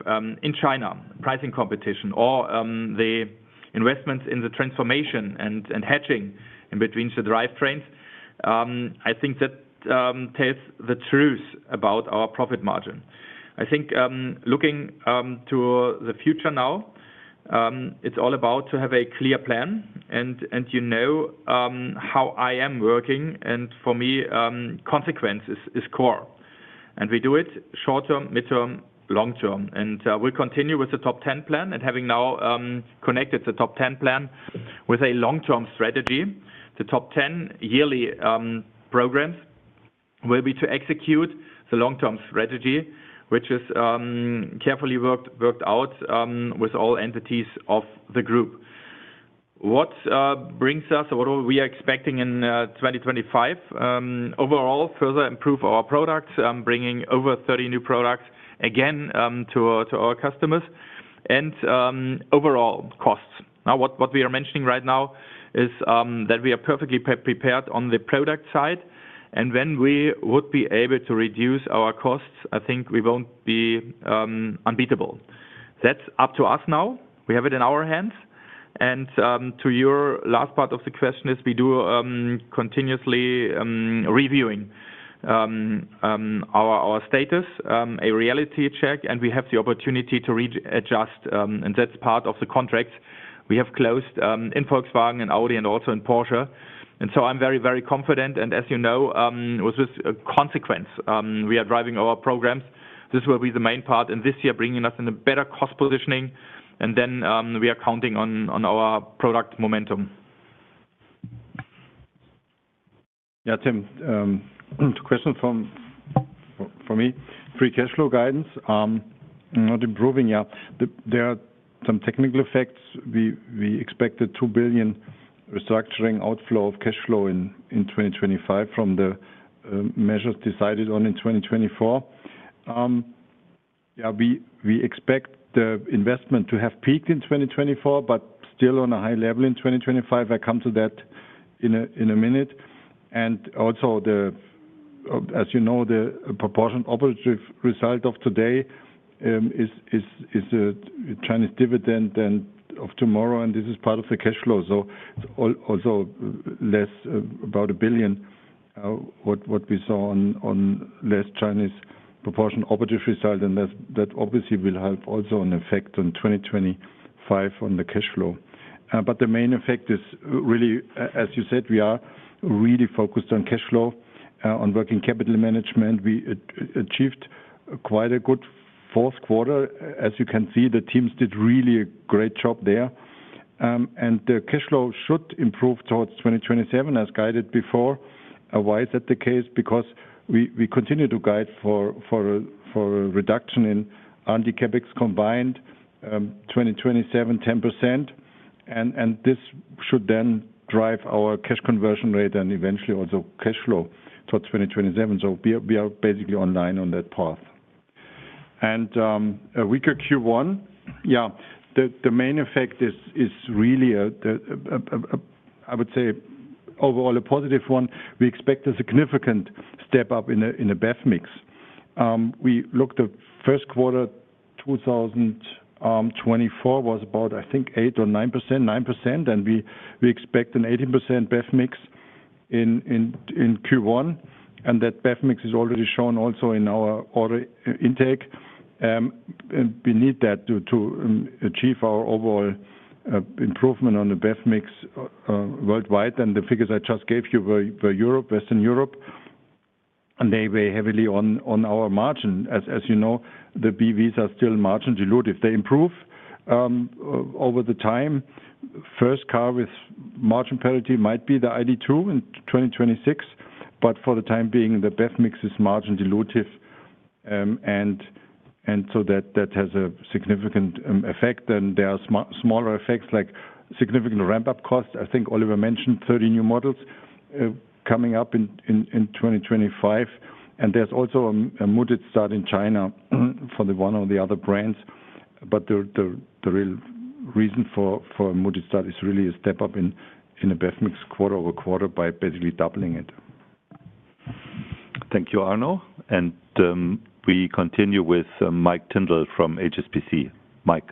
in China, pricing competition or the investments in the transformation and hedging in between the drive trains, I think that tells the truth about our profit margin. I think looking to the future now, it's all about to have a clear plan. You know how I am working, and for me, consequence is core. We do it short term, midterm, long term. We continue with the top 10 plan and having now connected the top 10 plan with a long-term strategy. The top 10 yearly programs will be to execute the long-term strategy, which is carefully worked out with all entities of the group. What brings us, what are we expecting in 2025? Overall, further improve our products, bringing over 30 new products again to our customers and overall costs. What we are mentioning right now is that we are perfectly prepared on the product side, and when we would be able to reduce our costs, I think we won't be unbeatable. That is up to us now. We have it in our hands. To your last part of the question, we do continuously review our status, a reality check, and we have the opportunity to readjust. That is part of the contracts we have closed in Volkswagen and Audi and also in Porsche. I am very, very confident. As you know, with this consequence, we are driving our programs. This will be the main part in this year, bringing us in a better cost positioning. We are counting on our product momentum. Yeah, Tim, question for me. Free cash flow guidance not improving. There are some technical effects. We expected 2 billion restructuring outflow of cash flow in 2025 from the measures decided on in 2024. We expect the investment to have peaked in 2024, but still on a high level in 2025. I come to that in a minute. Also, as you know, the proportion operative result of today is Chinese dividend and of tomorrow, and this is part of the cash flow. Also, less about 1 billion what we saw on less Chinese proportion operative result, and that obviously will help also an effect on 2025 on the cash flow. The main effect is really, as you said, we are really focused on cash flow, on working capital management. We achieved quite a good fourth quarter. As you can see, the teams did really a great job there. The cash flow should improve towards 2027 as guided before. Why is that the case? Because we continue to guide for a reduction in CapEx combined 2027 10%. This should then drive our cash conversion rate and eventually also cash flow towards 2027. We are basically online on that path. A weaker Q1. Yeah, the main effect is really, I would say, overall a positive one. We expect a significant step up in a BEV mix. We looked at first quarter 2024 was about, I think, 8% or 9%, 9%. We expect an 18% BEV mix in Q1. That BEV mix is already shown also in our order intake. We need that to achieve our overall improvement on the BEV mix worldwide. The figures I just gave you were Europe, Western Europe. They weigh heavily on our margin. As you know, the BEVs are still margin dilutive. They improve over the time. First car with margin parity might be the ID.2 in 2026. For the time being, the BEV mix is margin dilutive. That has a significant effect. There are smaller effects like significant ramp-up costs. I think Oliver mentioned 30 new models coming up in 2025. There is also a muted start in China for one of the other brands. The real reason for a muted start is really a step up in a BEV mix quarter over quarter by basically doubling it. Thank you, Arno. We continue with Mike Tyndall from HSBC. Mike.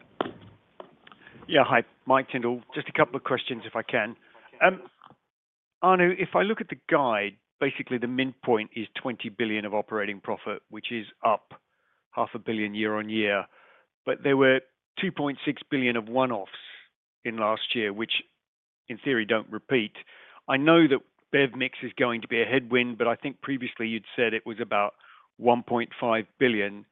Yeah, hi, Mike Tyndall. Just a couple of questions if I can. Arno, if I look at the guide, basically the midpoint is 20 billion of operating profit, which is up 500 million year-on-year. There were 2.6 billion of one-offs in last year, which in theory do not repeat. I know that BEV mix is going to be a headwind, but I think previously you had said it was about 1.5 billion.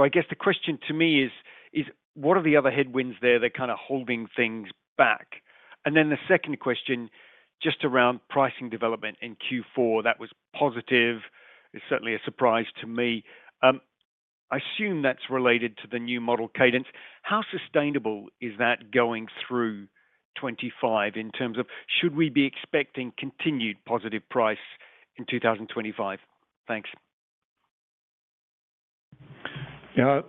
I guess the question to me is, what are the other headwinds there that kind of holding things back? The second question just around pricing development in Q4 that was positive. It's certainly a surprise to me. I assume that's related to the new model cadence. How sustainable is that going through 2025 in terms of should we be expecting continued positive price in 2025? Thanks. Yeah,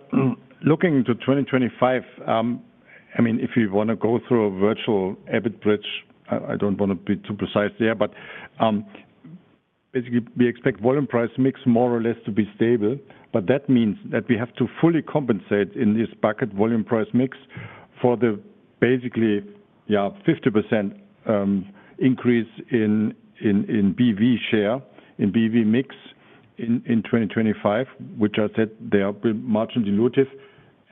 looking to 2025, I mean, if you want to go through a virtual EBIT bridge, I don't want to be too precise there, but basically we expect volume price mix more or less to be stable. That means that we have to fully compensate in this bucket volume price mix for the basically, yeah, 50% increase in BEV share, in BEV mix in 2025, which I said they are margin dilutive.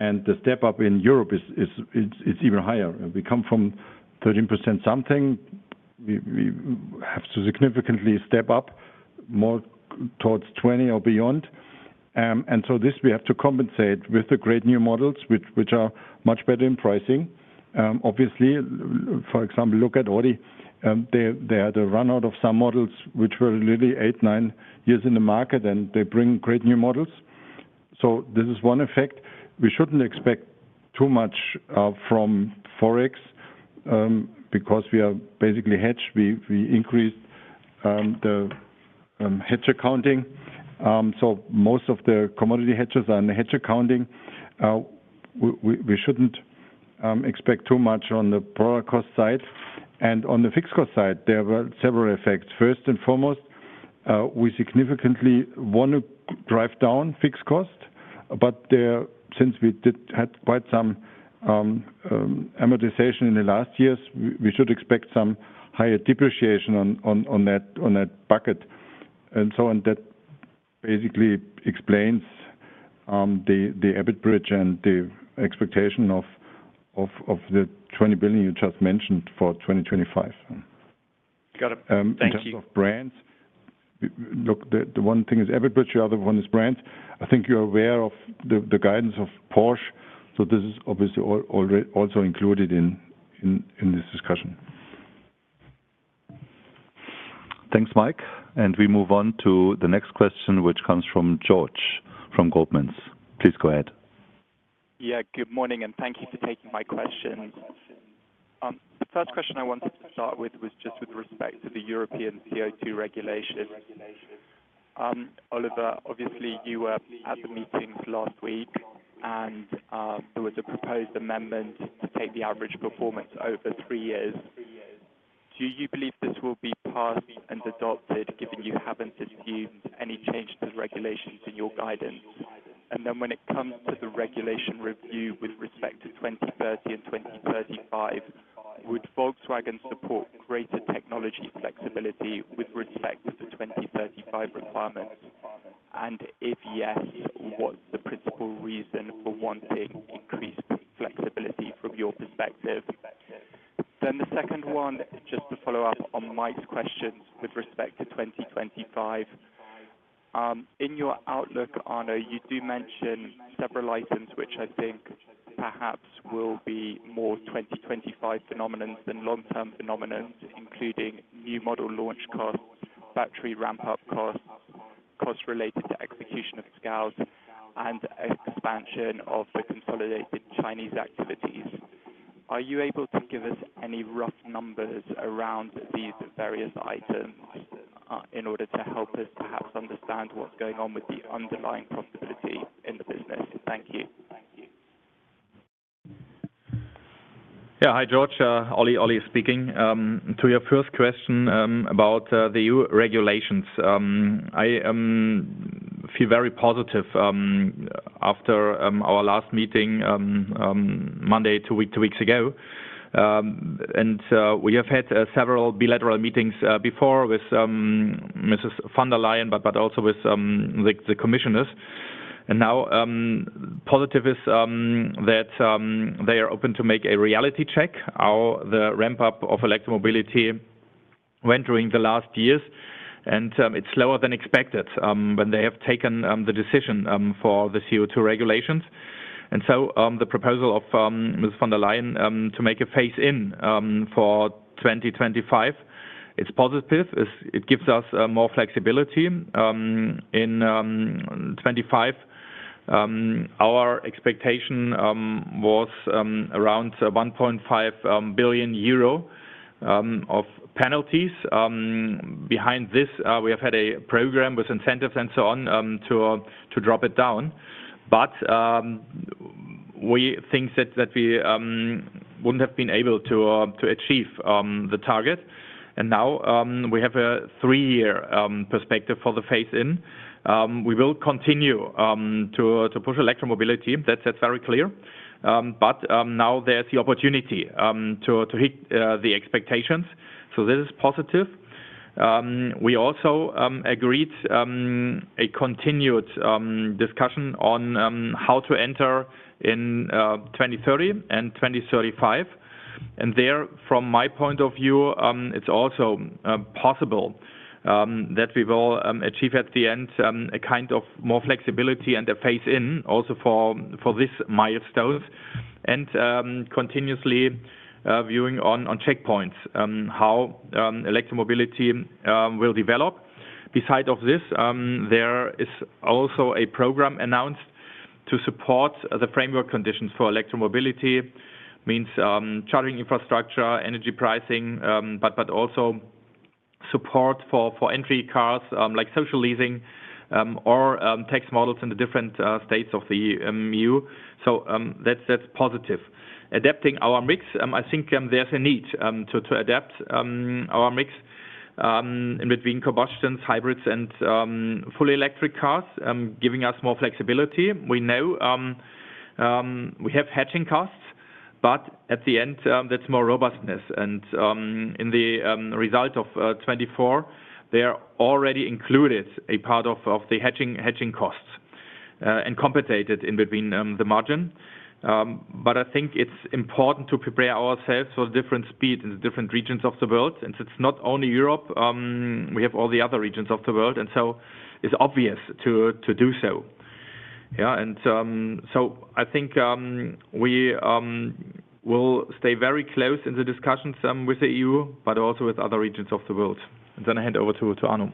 The step up in Europe is even higher. We come from 13% something. We have to significantly step up more towards 20% or beyond. This we have to compensate with the great new models, which are much better in pricing. Obviously, for example, look at Audi. They had a run out of some models which were really eight, nine years in the market, and they bring great new models. This is one effect. We shouldn't expect too much from Forex because we are basically hedged. We increased the hedge accounting. Most of the commodity hedges are in the hedge accounting. We shouldn't expect too much on the product cost side. On the fixed cost side, there were several effects. First and foremost, we significantly want to drive down fixed cost. Since we had quite some amortization in the last years, we should expect some higher depreciation on that bucket. That basically explains the EBIT bridge and the expectation of the 20 billion you just mentioned for 2025. Got it. Thank you. In terms of brands, look, the one thing is EBIT bridge, the other one is brands. I think you're aware of the guidance of Porsche. This is obviously also included in this discussion. Thanks, Mike. We move on to the next question, which comes from George from Goldman's. Please go ahead. Yeah, good morning and thank you for taking my question. The first question I wanted to start with was just with respect to the European CO2 regulation. Oliver, obviously you were at the meetings last week and there was a proposed amendment to take the average performance over three years. Do you believe this will be passed and adopted given you have not assumed any change to the regulations in your guidance? When it comes to the regulation review with respect to 2030 and 2035, would Volkswagen support greater technology flexibility with respect to the 2035 requirements? If yes, what is the principal reason for wanting increased flexibility from your perspective? The second one, just to follow up on Mike's questions with respect to 2025, in your outlook, Arno, you do mention several items which I think perhaps will be more 2025 phenomenon than long-term phenomenon, including new model launch costs, battery ramp-up costs, costs related to execution of Scout, and expansion of the consolidated Chinese activities. Are you able to give us any rough numbers around these various items in order to help us perhaps understand what is going on with the underlying profitability in the business? Thank you. Yeah, hi, George. Olli Olli speaking. To your first question about the regulations, I feel very positive after our last meeting Monday, two weeks ago. We have had several bilateral meetings before with Mrs. von der Leyen, but also with the commissioners. Now positive is that they are open to make a reality check how the ramp-up of electromobility went during the last years. It is slower than expected when they have taken the decision for the CO2 regulations. The proposal of Mrs. von der Leyen to make a phase-in for 2025 is positive. It gives us more flexibility. In 2025, our expectation was around 1.5 billion euro of penalties. Behind this, we have had a program with incentives and so on to drop it down. We think that we would not have been able to achieve the target. We have a three-year perspective for the phase-in. We will continue to push electromobility. That is very clear. Now there is the opportunity to hit the expectations. This is positive. We also agreed a continued discussion on how to enter in 2030 and 2035. There, from my point of view, it is also possible that we will achieve at the end a kind of more flexibility and a phase-in also for this milestone. Continuously viewing on checkpoints how electromobility will develop. Beside this, there is also a program announced to support the framework conditions for electromobility. This means charging infrastructure, energy pricing, but also support for entry cars like social leasing or tax models in the different states of the EU. That is positive. Adapting our mix, I think there's a need to adapt our mix in between combustions, hybrids, and fully electric cars, giving us more flexibility. We know we have hedging costs, but at the end, that's more robustness. In the result of 2024, they are already included a part of the hedging costs and compensated in between the margin. I think it's important to prepare ourselves for different speeds in different regions of the world. It's not only Europe. We have all the other regions of the world. It's obvious to do so. Yeah. I think we will stay very close in the discussions with the EU, but also with other regions of the world. I hand over to Arno.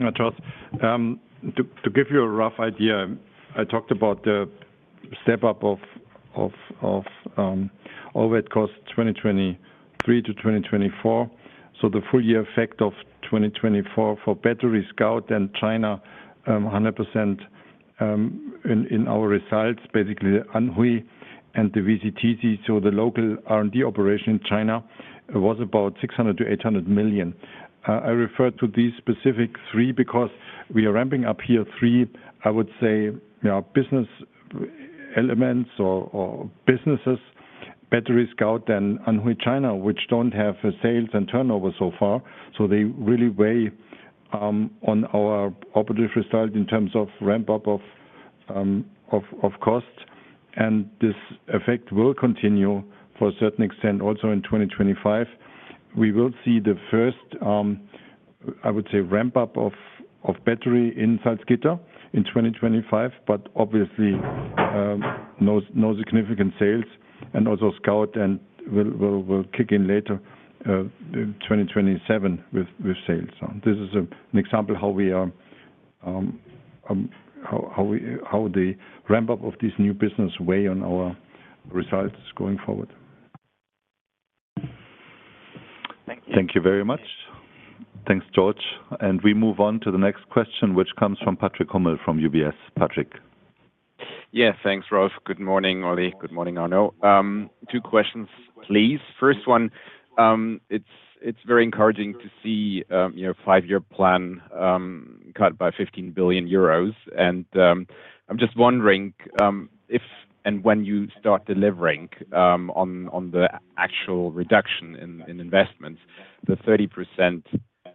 Yeah, George. To give you a rough idea, I talked about the step up of all that costs 2023-2024. The full year effect of 2024 for battery, Scout, and China, 100% in our results, basically Anhui and the VCTC. The local R&D operation in China was about 600 million-800 million. I refer to these specific three because we are ramping up here three, I would say, business elements or businesses, battery, Scout, and Anhui China, which do not have sales and turnover so far. They really weigh on our operative result in terms of ramp-up of cost. This effect will continue for a certain extent also in 2025. We will see the first, I would say, ramp-up of battery inside Salzgitter in 2025, but obviously no significant sales. Also, Scout will kick in later in 2027 with sales. This is an example how the ramp-up of this new business weighs on our results going forward. Thank you very much. Thanks, George. We move on to the next question, which comes from Patrick Hummel from UBS. Patrick. Yeah, thanks, Rolf. Good morning, Olli. Good morning, Arno. Two questions, please. First one, it's very encouraging to see your five-year plan cut by 15 billion euros. I'm just wondering if and when you start delivering on the actual reduction in investments, the 30%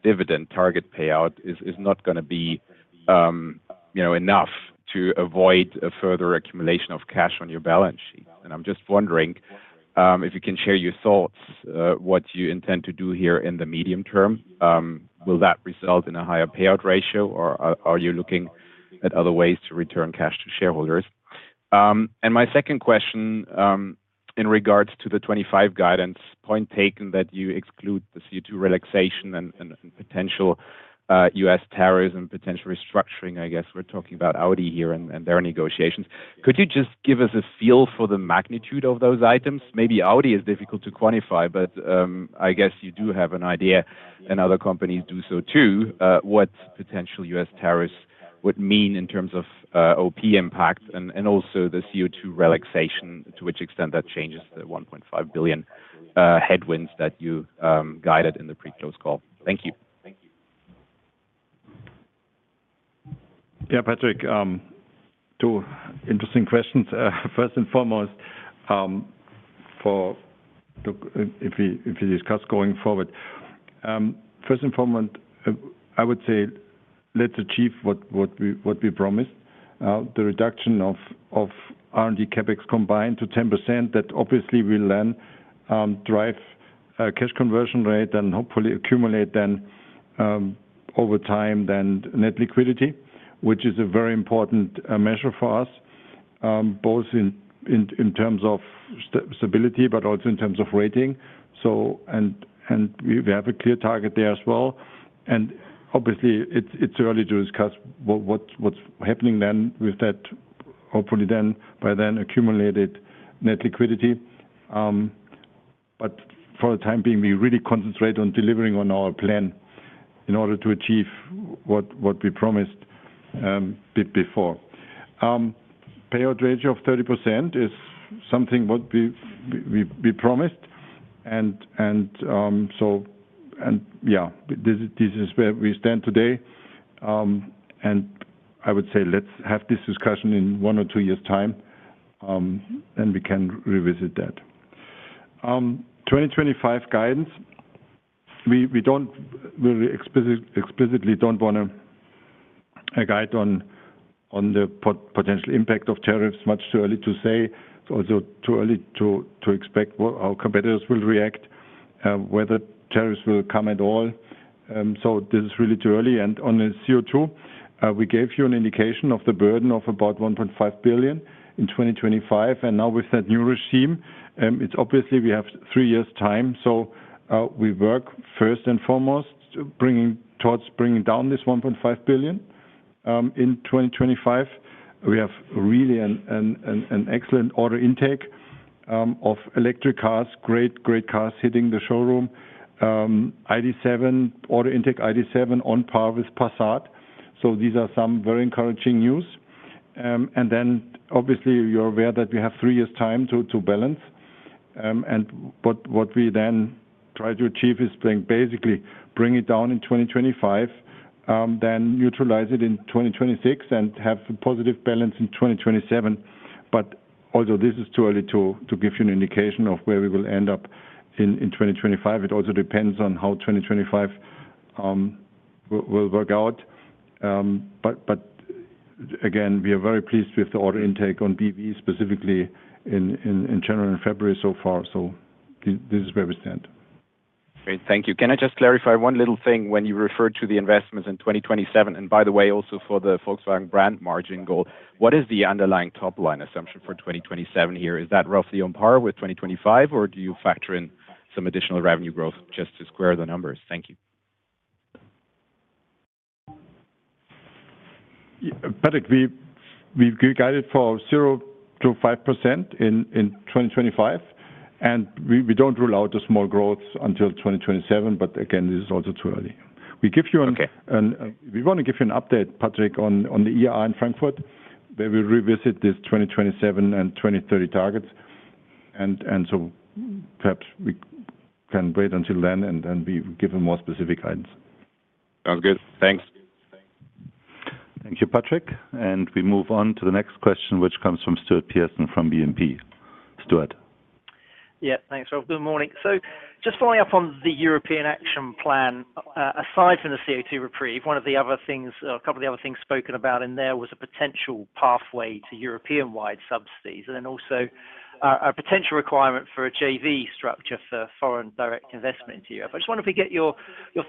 dividend target payout is not going to be enough to avoid a further accumulation of cash on your balance sheet. I'm just wondering if you can share your thoughts, what you intend to do here in the medium term. Will that result in a higher payout ratio, or are you looking at other ways to return cash to shareholders? My second question in regards to the 2025 guidance, point taken that you exclude the CO2 relaxation and potential US tariffs and potential restructuring, I guess we're talking about Audi here and their negotiations. Could you just give us a feel for the magnitude of those items? Maybe Audi is difficult to quantify, but I guess you do have an idea, and other companies do so too, what potential US tariffs would mean in terms of OP impact and also the CO2 relaxation, to which extent that changes the 1.5 billion headwinds that you guided in the pre-close call. Thank you. Yeah, Patrick, two interesting questions. First and foremost, if we discuss going forward, first and foremost, I would say let's achieve what we promised. The reduction of R&D CapEx combined to 10%, that obviously will then drive cash conversion rate and hopefully accumulate then over time then net liquidity, which is a very important measure for us, both in terms of stability, but also in terms of rating. We have a clear target there as well. Obviously, it's early to discuss what's happening then with that, hopefully then by then accumulated net liquidity. For the time being, we really concentrate on delivering on our plan in order to achieve what we promised a bit before. Payout ratio of 30% is something what we promised. This is where we stand today. I would say let's have this discussion in one or two years' time, then we can revisit that. 2025 guidance, we explicitly don't want to guide on the potential impact of tariffs, much too early to say. It's also too early to expect what our competitors will react, whether tariffs will come at all. This is really too early. On the CO2, we gave you an indication of the burden of about 1.5 billion in 2025. Now with that new regime, it's obvious we have three years' time. We work first and foremost towards bringing down this 1.5 billion in 2025. We have really an excellent order intake of electric cars, great cars hitting the showroom, ID.7, order intake ID.7 on par with Passat. These are some very encouraging news. Obviously, you're aware that we have three years' time to balance. What we then try to achieve is basically bring it down in 2025, then neutralize it in 2026, and have a positive balance in 2027. But also this is too early to give you an indication of where we will end up in 2025. It also depends on how 2025 will work out. Again, we are very pleased with the order intake on BEV, specifically in general in February so far. This is where we stand. Great. Thank you. Can I just clarify one little thing when you refer to the investments in 2027? By the way, also for the Volkswagen brand margin goal, what is the underlying top line assumption for 2027 here? Is that roughly on par with 2025, or do you factor in some additional revenue growth just to square the numbers? Thank you. Patrick, we've guided for 0%-5% in 2025. We do not rule out a small growth until 2027. Again, this is also too early. We want to give you an update, Patrick, on the in Frankfurt, where we revisit this 2027 and 2030 targets. Perhaps we can wait until then, and then we will give you more specific guidance. Sounds good. Thanks. Thank you, Patrick. We move on to the next question, which comes from Stuart Pearson from BNP. Stuart. Yeah, thanks, Rolf. Good morning. Just following up on the European Action Plan, aside from the CO2 reprieve, one of the other things, a couple of the other things spoken about in there was a potential pathway to European-wide subsidies. Also a potential requirement for a JV structure for foreign direct investment into Europe. I just wonder if we get your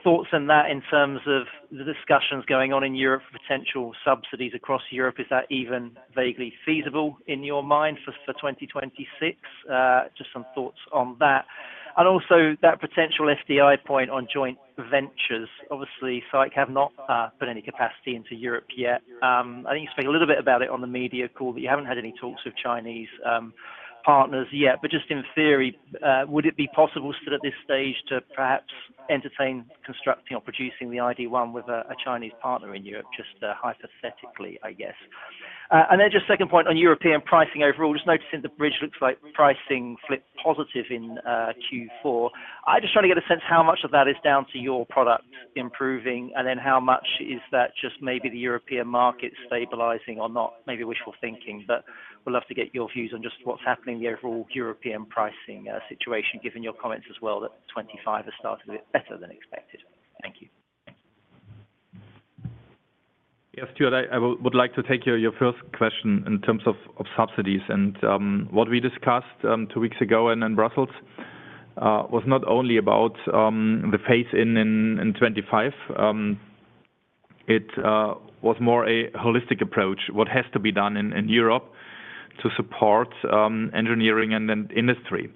thoughts on that in terms of the discussions going on in Europe for potential subsidies across Europe. Is that even vaguely feasible in your mind for 2026? Just some thoughts on that. Also, that potential FDI point on joint ventures. Obviously, Sykes have not put any capacity into Europe yet. I think you spoke a little bit about it on the media call, but you have not had any talks with Chinese partners yet. Just in theory, would it be possible still at this stage to perhaps entertain constructing or producing the ID.1 with a Chinese partner in Europe? Just hypothetically, I guess. The second point on European pricing overall. Just noticing the bridge looks like pricing flipped positive in Q4. I am just trying to get a sense how much of that is down to your product improving, and then how much is that just maybe the European market stabilizing or not. Maybe wishful thinking. We would love to get your views on just what is happening in the overall European pricing situation, given your comments as well that 2025 has started a bit better than expected. Thank you. Yes, Stuart, I would like to take your first question in terms of subsidies. What we discussed two weeks ago in Brussels was not only about the phase-in in 2025. It was more a holistic approach, what has to be done in Europe to support engineering and industry.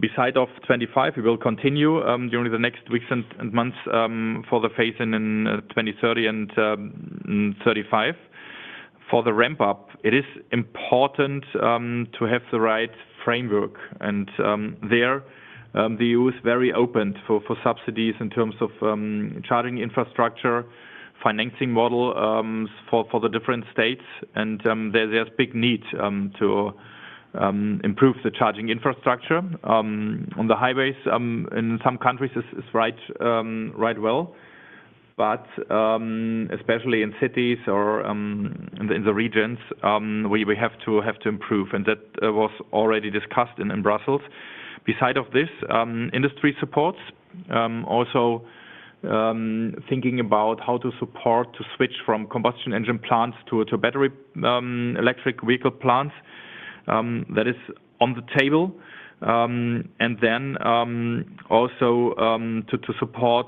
Beside 2025, we will continue during the next weeks and months for the phase-in in 2023 and 2035. For the ramp-up, it is important to have the right framework. There, the EU is very open for subsidies in terms of charging infrastructure, financing models for the different states. There is a big need to improve the charging infrastructure. On the highways, in some countries, it's right well. Especially in cities or in the regions, we have to improve. That was already discussed in Brussels. Beside of this, industry supports, also thinking about how to support to switch from combustion engine plants to battery electric vehicle plants. That is on the table. Also to support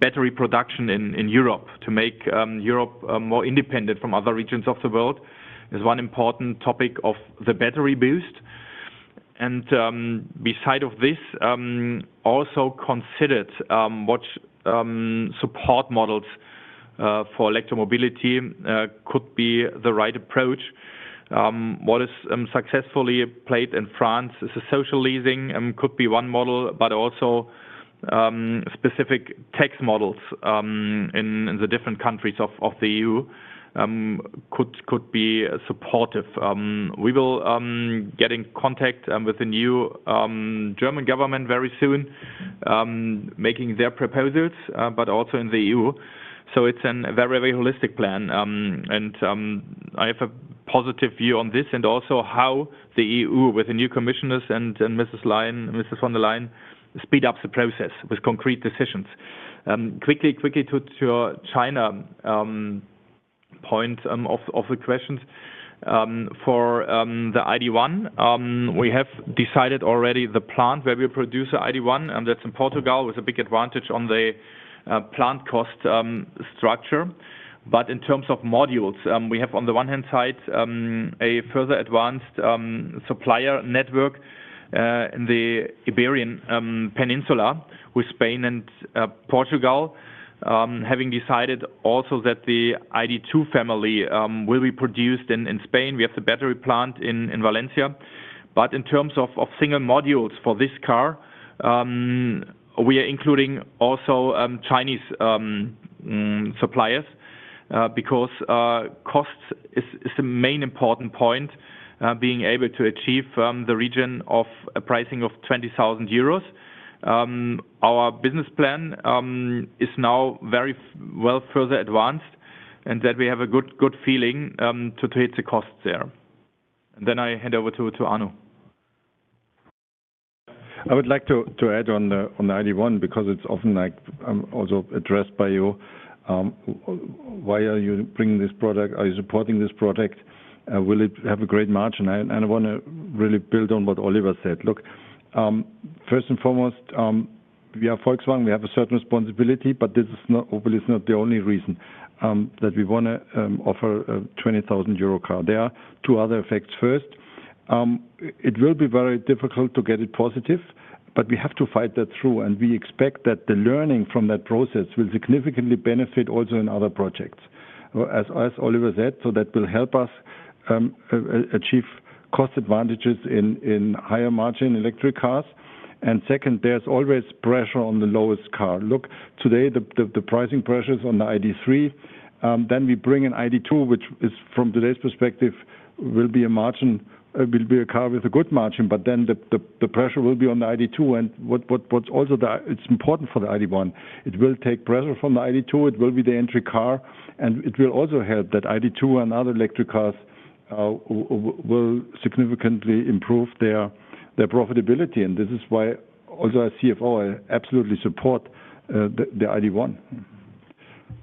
battery production in Europe to make Europe more independent from other regions of the world is one important topic of the battery boost. Beside of this, also considered what support models for electromobility could be the right approach. What is successfully played in France is a social leasing could be one model, but also specific tax models in the different countries of the EU could be supportive. We will get in contact with the new German government very soon, making their proposals, but also in the EU. It is a very, very holistic plan. I have a positive view on this and also how the EU, with the new commissioners and Mrs. von der Leyen, speed up the process with concrete decisions. Quickly to the China point of the questions for the ID.1, we have decided already the plant where we produce the ID.1. That is in Portugal with a big advantage on the plant cost structure. In terms of modules, we have on the one hand side a further advanced supplier network in the Iberian Peninsula with Spain and Portugal, having decided also that the ID.2 family will be produced in Spain. We have the battery plant in Valencia. In terms of single modules for this car, we are including also Chinese suppliers because cost is the main important point, being able to achieve the region of a pricing of 20,000 euros. Our business plan is now very well further advanced and that we have a good feeling to hit the cost there. I would like to add on the ID.1 because it is often also addressed by you. Why are you bringing this product? Are you supporting this product? Will it have a great margin? I want to really build on what Oliver said. Look, first and foremost, we are Volkswagen. We have a certain responsibility, but this is not the only reason that we want to offer a 20,000 euro car. There are two other effects. First, it will be very difficult to get it positive, but we have to fight that through. We expect that the learning from that process will significantly benefit also in other projects, as Oliver said. That will help us achieve cost advantages in higher margin electric cars. Second, there's always pressure on the lowest car. Look, today the pricing pressure is on the ID.3. We bring an ID.2, which from today's perspective will be a car with a good margin, but then the pressure will be on the ID.2. What's also important for the ID.1, it will take pressure from the ID.2. It will be the entry car, and it will also help that ID.2 and other electric cars will significantly improve their profitability. This is why also as CFO, I absolutely support the ID.1.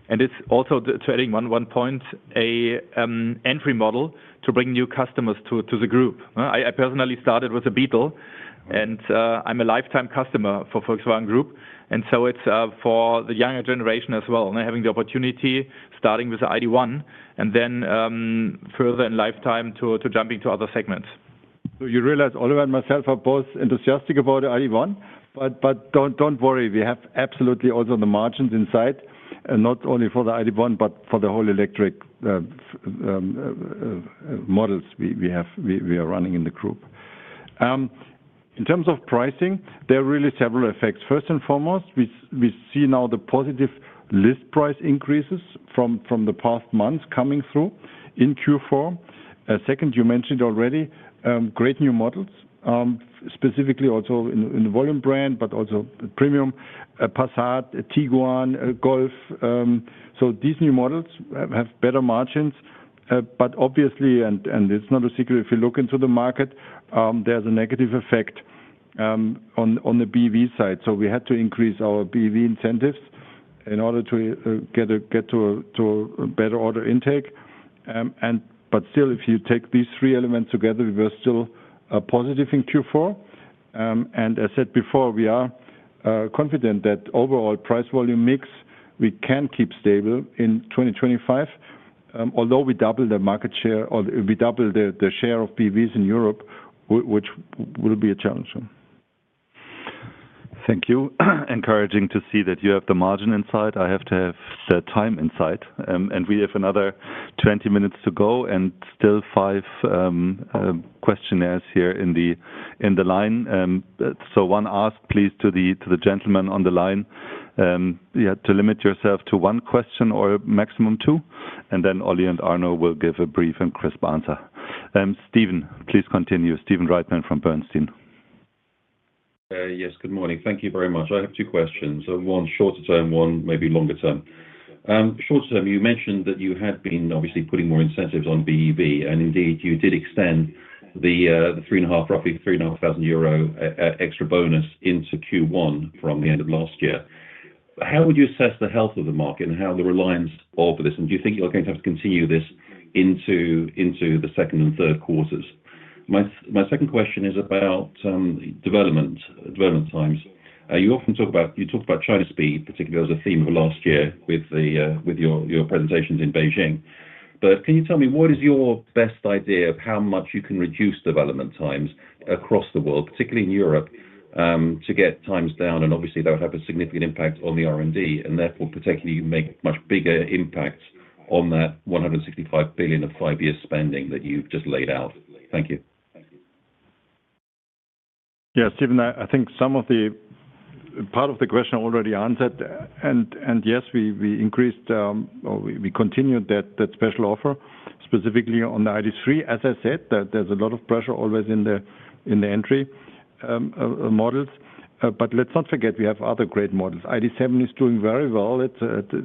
It's also to adding one point, an entry model to bring new customers to the group. I personally started with a Beetle, and I'm a lifetime customer for Volkswagen Group. It is for the younger generation as well, having the opportunity starting with the ID.1 and then further in lifetime to jumping to other segments. You realize Oliver and myself are both enthusiastic about the ID.1. Do not worry, we have absolutely also the margins inside, not only for the ID.1, but for the whole electric models we are running in the group. In terms of pricing, there are really several effects. First and foremost, we see now the positive list price increases from the past months coming through in Q4. Second, you mentioned already great new models, specifically also in the volume brand, but also premium, Passat, Tiguan, Golf. These new models have better margins. Obviously, and it is not a secret, if you look into the market, there is a negative effect on the BEV side. We had to increase our BEV incentives in order to get to a better order intake. Still, if you take these three elements together, we were still positive in Q4. As I said before, we are confident that overall price volume mix, we can keep stable in 2025, although we double the market share or we double the share of BEVs in Europe, which will be a challenge. Thank you. Encouraging to see that you have the margin inside. I have to have the time inside. We have another 20 minutes to go and still five questionnaires here in the line. One ask, please, to the gentlemen on the line, to limit yourself to one question or maximum two. Olli and Arno will give a brief and crisp answer. Steven, please continue. Stephen Reitman from Bernstein. Yes, good morning. Thank you very much. I have two questions. One shorter term, one maybe longer term. Short term, you mentioned that you had been obviously putting more incentives on BEV. And indeed, you did extend the 3,500, roughly 3,500 euro extra bonus into Q1 from the end of last year. How would you assess the health of the market and how the reliance of this? And do you think you're going to have to continue this into the second and third quarters? My second question is about development times. You often talk about China speed, particularly as a theme of last year with your presentations in Beijing. But can you tell me what is your best idea of how much you can reduce development times across the world, particularly in Europe, to get times down? Obviously, that would have a significant impact on the R&D and therefore potentially make much bigger impacts on that 165 billion of five-year spending that you have just laid out. Thank you. Thank you. Yes, Stephen, I think some of the part of the question I already answered. Yes, we increased or we continued that special offer specifically on the ID.3. As I said, there is a lot of pressure always in the entry models. Let us not forget, we have other great models. ID.7 is doing very well. It is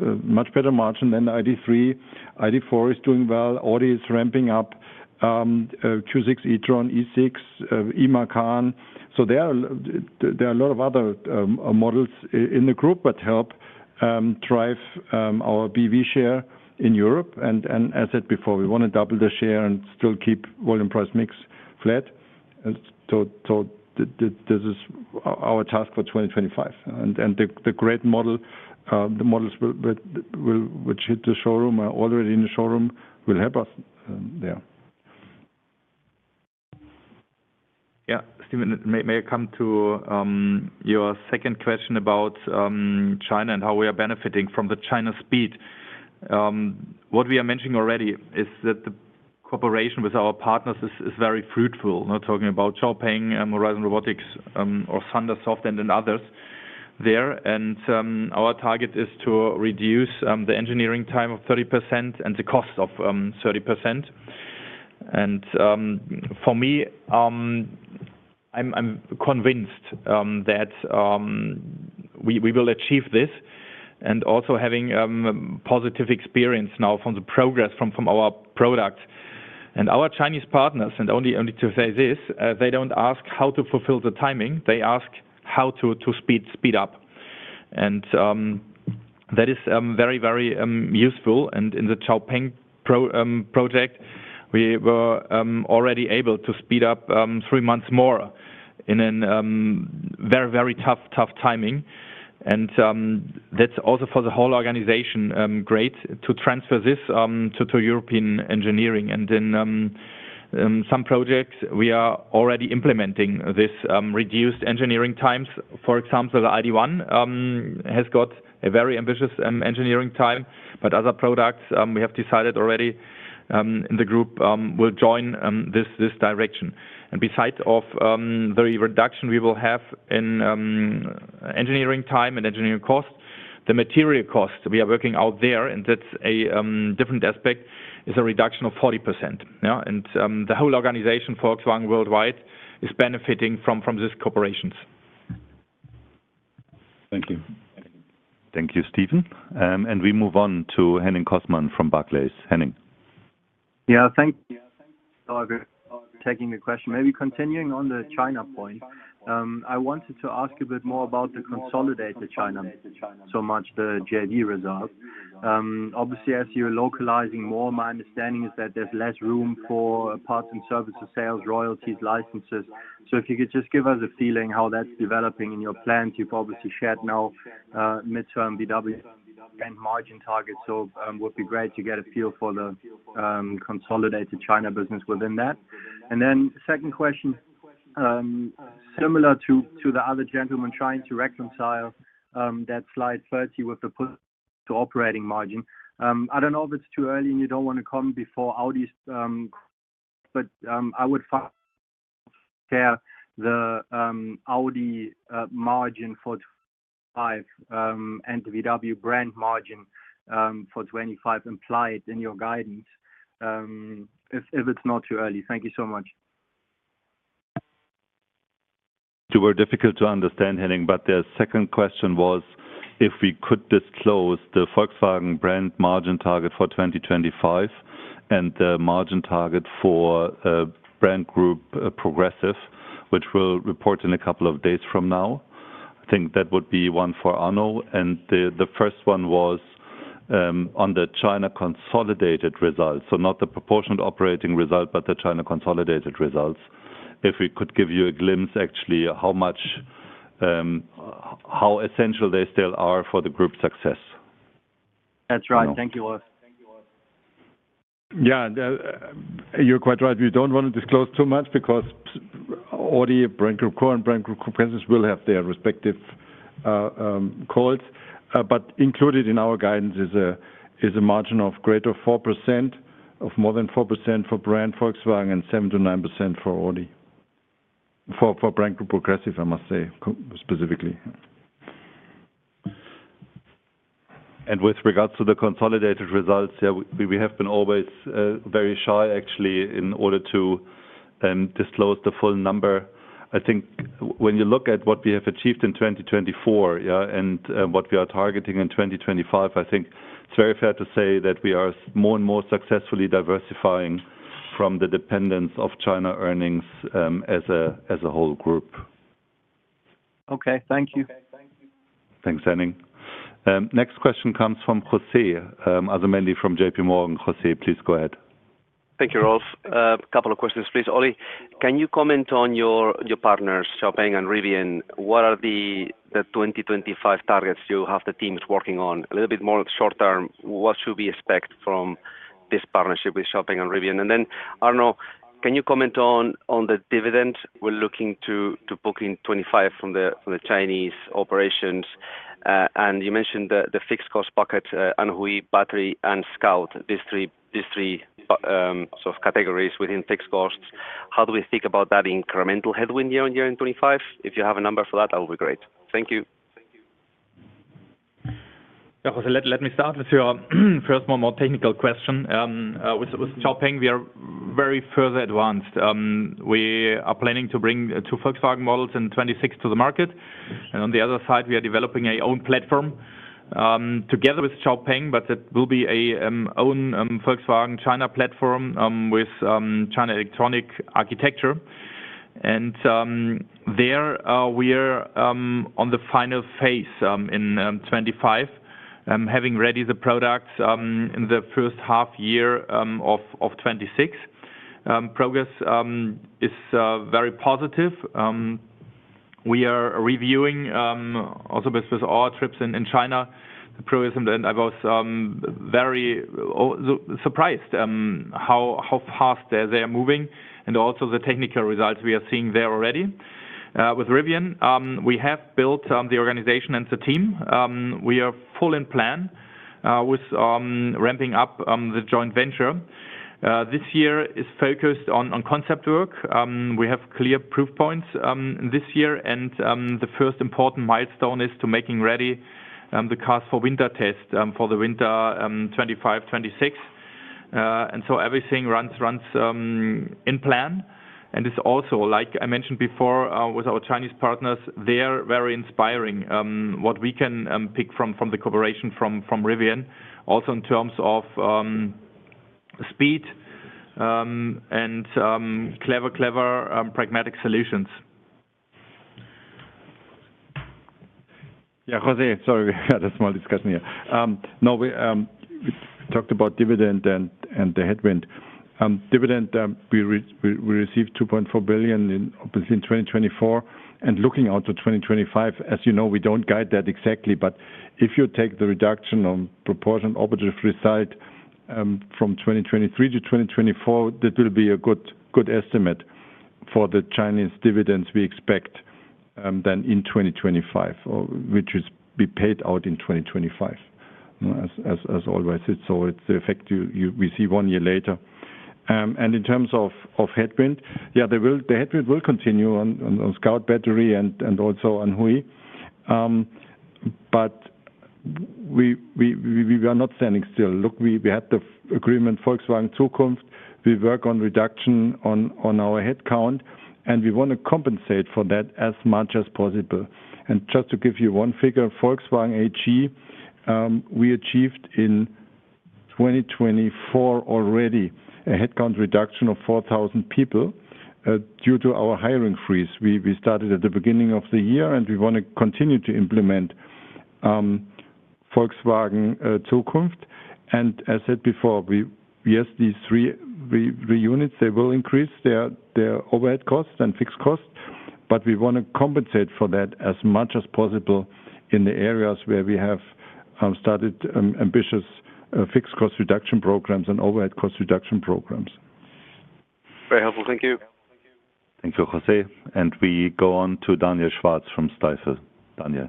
a much better margin than ID.3. ID.4 is doing well. Audi is ramping up Q6 e-tron, E6, E-Macan. There are a lot of other models in the group that help drive our BEV share in Europe. As I said before, we want to double the share and still keep volume price mix flat. This is our task for 2025. The great models which hit the showroom or are already in the showroom will help us there. Yeah, Stephen, may I come to your second question about China and how we are benefiting from the China speed? What we are mentioning already is that the cooperation with our partners is very fruitful. We are talking about XPeng, Horizon Robotics, or ThunderSoft and others there. Our target is to reduce the engineering time by 30% and the cost by 30%. For me, I am convinced that we will achieve this and also have positive experience now from the progress from our product. Our Chinese partners, and only to say this, they do not ask how to fulfill the timing. They ask how to speed up. That is very, very useful. In the XPeng Project, we were already able to speed up three months more in a very, very tough timing. That is also for the whole organization great to transfer this to European engineering. In some projects, we are already implementing this reduced engineering times. For example, the ID.1 has got a very ambitious engineering time. Other products we have decided already in the group will join this direction. Beside the reduction we will have in engineering time and engineering cost, the material cost, we are working out there. That is a different aspect, is a reduction of 40%. The whole organization, Volkswagen Worldwide, is benefiting from these cooperations. Thank you. Thank you, Stephen. We move on to Henning Kosman from Barclays. Henning. Yeah, thanks for taking the question. Maybe continuing on the China point, I wanted to ask a bit more about the consolidated China so much, the JD result. Obviously, as you're localizing more, my understanding is that there's less room for parts and services sales, royalties, licenses. If you could just give us a feeling how that's developing in your plans, you've obviously shared now midterm VW and margin targets. It would be great to get a feel for the consolidated China business within that. Second question, similar to the other gentlemen trying to reconcile that slide 30 with the operating margin. I don't know if it's too early and you don't want to come before Audi's, but I would share the Audi margin for 2025 and the VW brand margin for 2025 implied in your guidance if it's not too early. Thank you so much. These were difficult to understand, Henning, but the second question was if we could disclose the Volkswagen brand margin target for 2025 and the margin target for brand group Progressive, which will report in a couple of days from now. I think that would be one for Arno. The first one was on the China consolidated results. Not the proportionate operating result, but the China consolidated results. If we could give you a glimpse, actually, how essential they still are for the group's success. That's right. Thank you all. Yeah, you're quite right. We don't want to disclose too much because Audi, brand group Core and brand group Progressive will have their respective calls. Included in our guidance is a margin of greater 4%, of more than 4% for brand Volkswagen and 7%-9% for Audi, for brand group Progressive, I must say specifically. With regards to the consolidated results, we have been always very shy, actually, in order to disclose the full number. I think when you look at what we have achieved in 2024 and what we are targeting in 2025, I think it's very fair to say that we are more and more successfully diversifying from the dependence of China earnings as a whole group. Okay, thank you. Thanks, Henning. Next question comes from José. Also mainly from JP Morgan. José, please go ahead. Thank you, Ross. A couple of questions, please. Olli, can you comment on your partners, XPeng and Rivian? What are the 2025 targets you have the teams working on? A little bit more short term, what should we expect from this partnership with XPeng and Rivian? And then, Arno, can you comment on the dividends? We're looking to book in 2025 from the Chinese operations. You mentioned the fixed cost bucket, Anhui battery and Scout, these three sort of categories within fixed costs. How do we think about that incremental headwind year on year in 2025? If you have a number for that, that would be great. Thank you. Yeah, Jose, let me start with your first more technical question. With XPeng, we are very further advanced. We are planning to bring two Volkswagen models in 2026 to the market. On the other side, we are developing an own platform together with XPeng, but it will be an own Volkswagen China platform with China electronic architecture. There we are on the final phase in 2025, having ready the products in the first half year of 2026. Progress is very positive. We are reviewing also with our trips in China. The progress, and I was very surprised how fast they are moving and also the technical results we are seeing there already. With Rivian, we have built the organization and the team. We are full in plan with ramping up the joint venture. This year is focused on concept work. We have clear proof points this year. The first important milestone is to making ready the cars for winter test for the winter 2025-2026. Everything runs in plan. It is also, like I mentioned before, with our Chinese partners, they are very inspiring what we can pick from the cooperation from Rivian, also in terms of speed and clever, clever pragmatic solutions. Yeah, José, sorry, we had a small discussion here. No, we talked about dividend and the headwind. Dividend, we received 2.4 billion in 2024. Looking out to 2025, as you know, we do not guide that exactly. If you take the reduction of proportion operative result from 2023-2024, that will be a good estimate for the Chinese dividends we expect then in 2025, which will be paid out in 2025, as always. It is the effect we see one year later. In terms of headwind, yeah, the headwind will continue on Scout battery and also Anhui. We are not standing still. Look, we had the agreement Volkswagen Zukunft. We work on reduction on our headcount, and we want to compensate for that as much as possible. Just to give you one figure, Volkswagen AG, we achieved in 2024 already a headcount reduction of 4,000 people due to our hiring freeze. We started at the beginning of the year, and we want to continue to implement Volkswagen Zukunft. As I said before, yes, these three units, they will increase their overhead costs and fixed costs, but we want to compensate for that as much as possible in the areas where we have started ambitious fixed cost reduction programs and overhead cost reduction programs. Very helpful. Thank you. Thank you, Jose. We go on to Daniel Schwartz from Stifel. Daniel.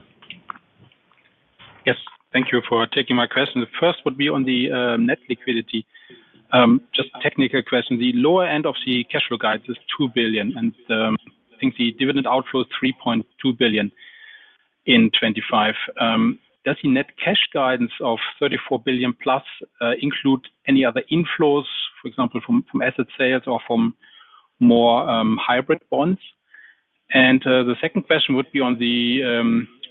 Yes, thank you for taking my question. The first would be on the net liquidity. Just a technical question. The lower end of the cash flow guide is 2 billion, and I think the dividend outflow is 3.2 billion in 2025. Does the net cash guidance of 34 billion plus include any other inflows, for example, from asset sales or from more hybrid bonds? The second question would be on the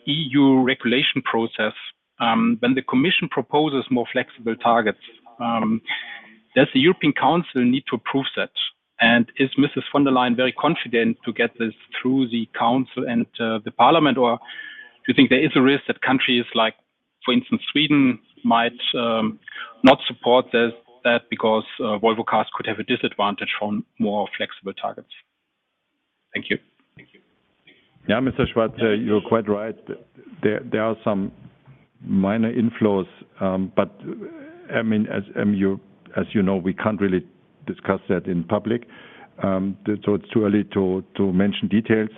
EU regulation process. When the commission proposes more flexible targets, does the European Council need to approve that? Is Mrs. von der Leyen very confident to get this through the council and the parliament, or do you think there is a risk that countries like, for instance, Sweden might not support that because Volvo Cars could have a disadvantage from more flexible targets? Thank you. Thank you. Yeah, Mr. Schwartz, you're quite right. There are some minor inflows, but I mean, as you know, we can't really discuss that in public. It's too early to mention details.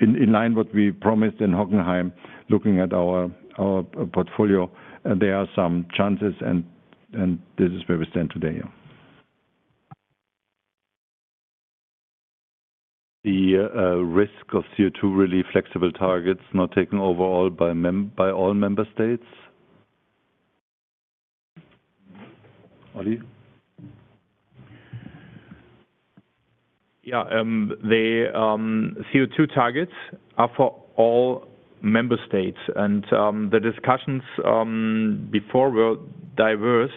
In line with what we promised in Hockenheim, looking at our portfolio, there are some chances, and this is where we stand today. The risk of CO2 relief flexible targets not taken overall by all member states? Olli? Yeah, the CO2 targets are for all member states. The discussions before were diverse,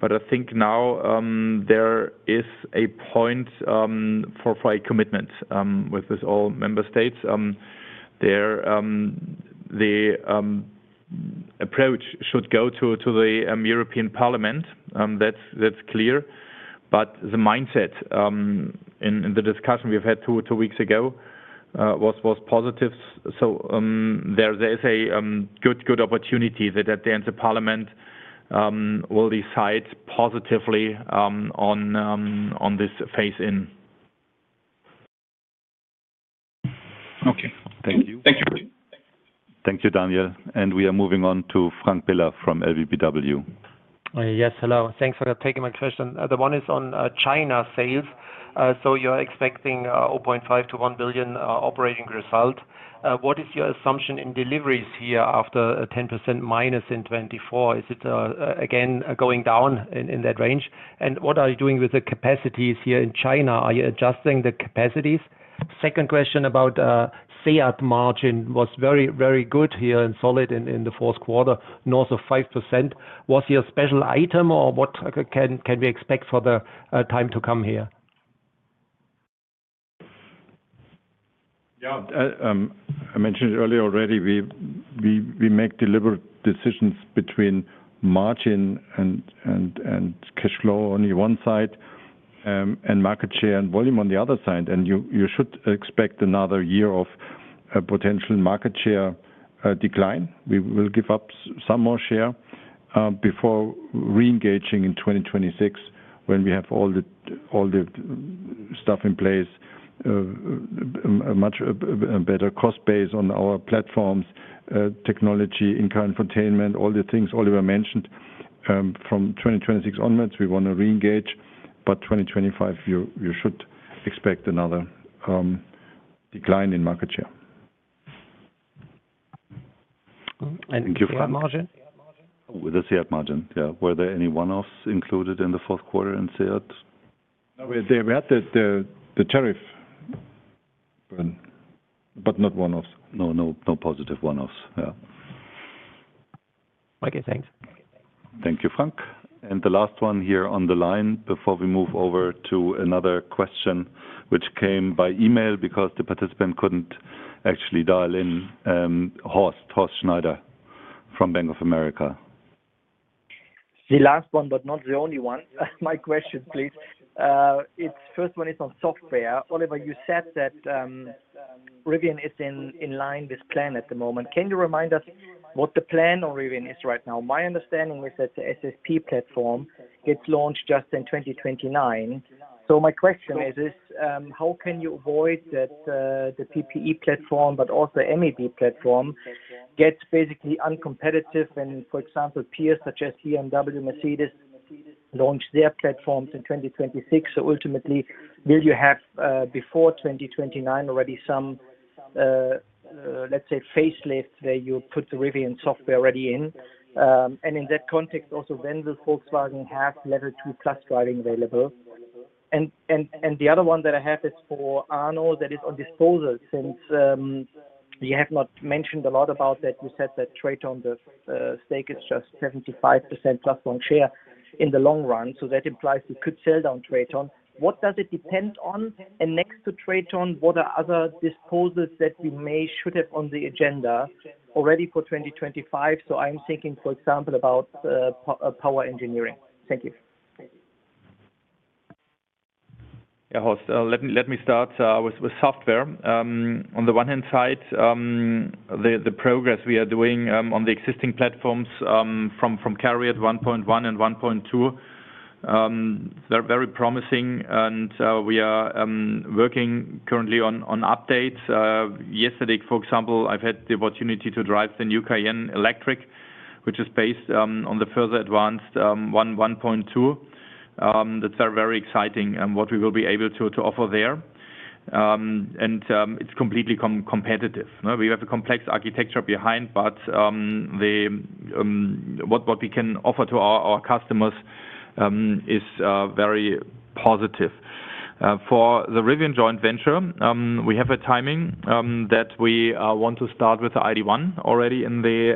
but I think now there is a point for a commitment with all member states. The approach should go to the European Parliament. That is clear. The mindset in the discussion we had two weeks ago was positive. There is a good opportunity that at the end, the Parliament will decide positively on this phase in. Okay, thank you. Thank you. Thank you, Daniel. We are moving on to Frank Piller from LVBW. Yes, hello. Thanks for taking my question. The one is on China sales. You are expecting 0.5 billion-1 billion operating result. What is your assumption in deliveries here after a 10% minus in 2024? Is it again going down in that range? What are you doing with the capacities here in China? Are you adjusting the capacities? Second question about SEAT margin was very, very good here and solid in the fourth quarter, north of 5%. Was it a special item or what can we expect for the time to come here? Yeah, I mentioned it earlier already. We make deliberate decisions between margin and cash flow on one side and market share and volume on the other side. You should expect another year of potential market share decline. We will give up some more share before re-engaging in 2026 when we have all the stuff in place, a much better cost base on our platforms, technology, income infotainment, all the things Oliver mentioned. From 2026 onwards, we want to re-engage. For 2025, you should expect another decline in market share. And you've got margin? The SEAT margin, yeah. Were there any one-offs included in the fourth quarter in SEAT? No, we had the tariff, but not one-offs. No, no positive one-offs. Yeah. Okay, thanks. Thank you, Frank. The last one here on the line before we move over to another question, which came by email because the participant could not actually dial in, Horst Schneider from Bank of America. The last one, but not the only one. My question, please. The first one is on software. Oliver, you said that Rivian is in line with plan at the moment. Can you remind us what the plan on Rivian is right now? My understanding is that the SSP platform gets launched just in 2029. My question is, how can you avoid that the PPE platform, but also MED platform gets basically uncompetitive when, for example, peers such as BMW, Mercedes launch their platforms in 2026? Ultimately, will you have before 2029 already some, let's say, facelifts where you put the Rivian software already in? In that context, also when will Volkswagen have level two plus driving available? The other one that I have is for Arno that is on disposal since you have not mentioned a lot about that. You said that Traton's stake is just 75% plus one share in the long run. That implies you could sell down Traton. What does it depend on? Next to Traton, what are other disposals that we may should have on the agenda already for 2025? I am thinking, for example, about power engineering. Thank you. Yeah, Horst, let me start with software. On the one hand side, the progress we are doing on the existing platforms from CARIAD 1.1 and 1.2, they are very promising. We are working currently on updates. Yesterday, for example, I've had the opportunity to drive the new Cayenne Electric, which is based on the further advanced 1.2. That's very, very exciting what we will be able to offer there. It's completely competitive. We have a complex architecture behind, but what we can offer to our customers is very positive. For the Rivian joint venture, we have a timing that we want to start with the ID.1 already in the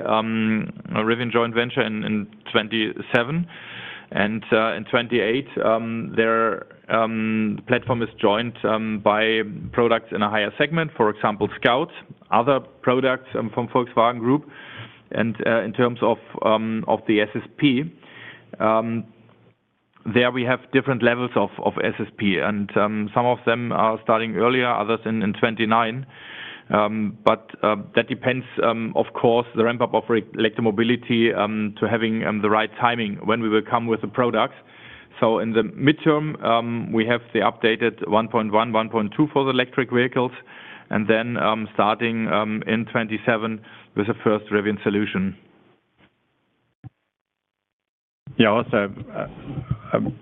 Rivian joint venture in 2027. In 2028, their platform is joined by products in a higher segment, for example, Scout, other products from Volkswagen Group. In terms of the SSP, we have different levels of SSP. Some of them are starting earlier, others in 2029. That depends, of course, on the ramp-up of electromobility to having the right timing when we will come with the products. In the midterm, we have the updated 1.1, 1.2 for the electric vehicles. Then starting in 2027 with the first Rivian solution. Yeah, Horst, I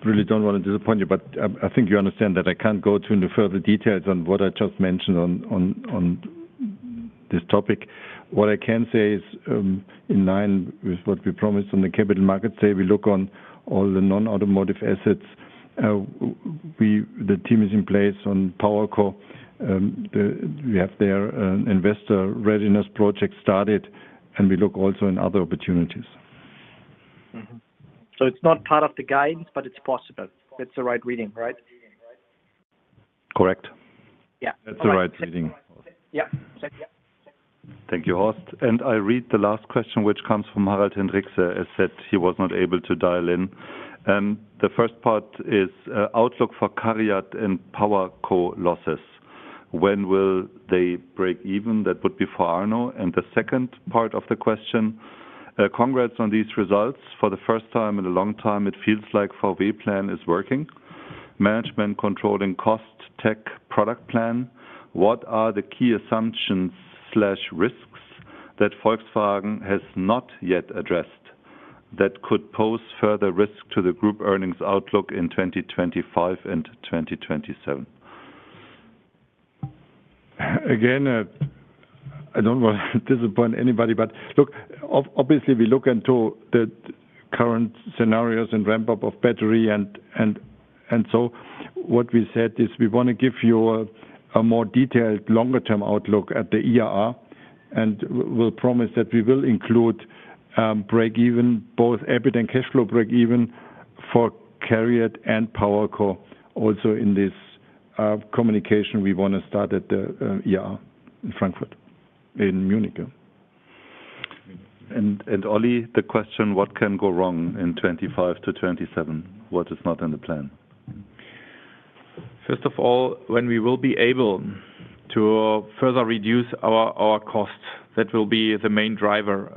really do not want to disappoint you, but I think you understand that I cannot go into further details on what I just mentioned on this topic. What I can say is in line with what we promised on the capital markets, say we look on all the non-automotive assets. The team is in place on PowerCo. We have their investor readiness project started, and we look also in other opportunities. It is not part of the guidance, but it is possible. That is the right reading, right? Correct. Yeah. That is the right reading. Yeah. Thank you, Horst. I read the last question, which comes from [Harald Hendrikse] as said he was not able to dial in. The first part is outlook for CARIAD and PowerCo losses. When will they break even? That would be for Arno. The second part of the question, congrats on these results. For the first time in a long time, it feels like V-Plan is working. Management controlling cost tech product plan. What are the key assumptions/risks that Volkswagen has not yet addressed that could pose further risk to the group earnings outlook in 2025 and 2027? Again, I do not want to disappoint anybody, but look, obviously, we look into the current scenarios and ramp-up of battery. What we said is we want to give you a more detailed longer-term outlook at the ERR and will promise that we will include break-even, both EBIT and cash flow break-even for CARIAD and PowerCo. Also in this communication, we want to start at the ERR in Frankfurt in Munich. Ollie, the question, what can go wrong in 2025-2027? What is not in the plan? First of all, when we will be able to further reduce our cost, that will be the main driver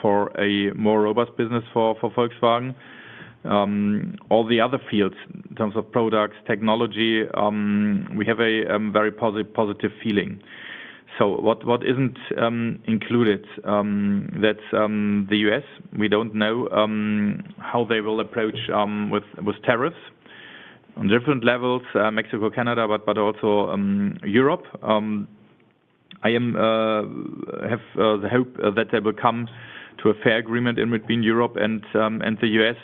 for a more robust business for Volkswagen. All the other fields in terms of products, technology, we have a very positive feeling. What is not included? That is the U.S. We do not know how they will approach with tariffs on different levels, Mexico, Canada, but also Europe. I have the hope that they will come to a fair agreement between Europe and the U.S.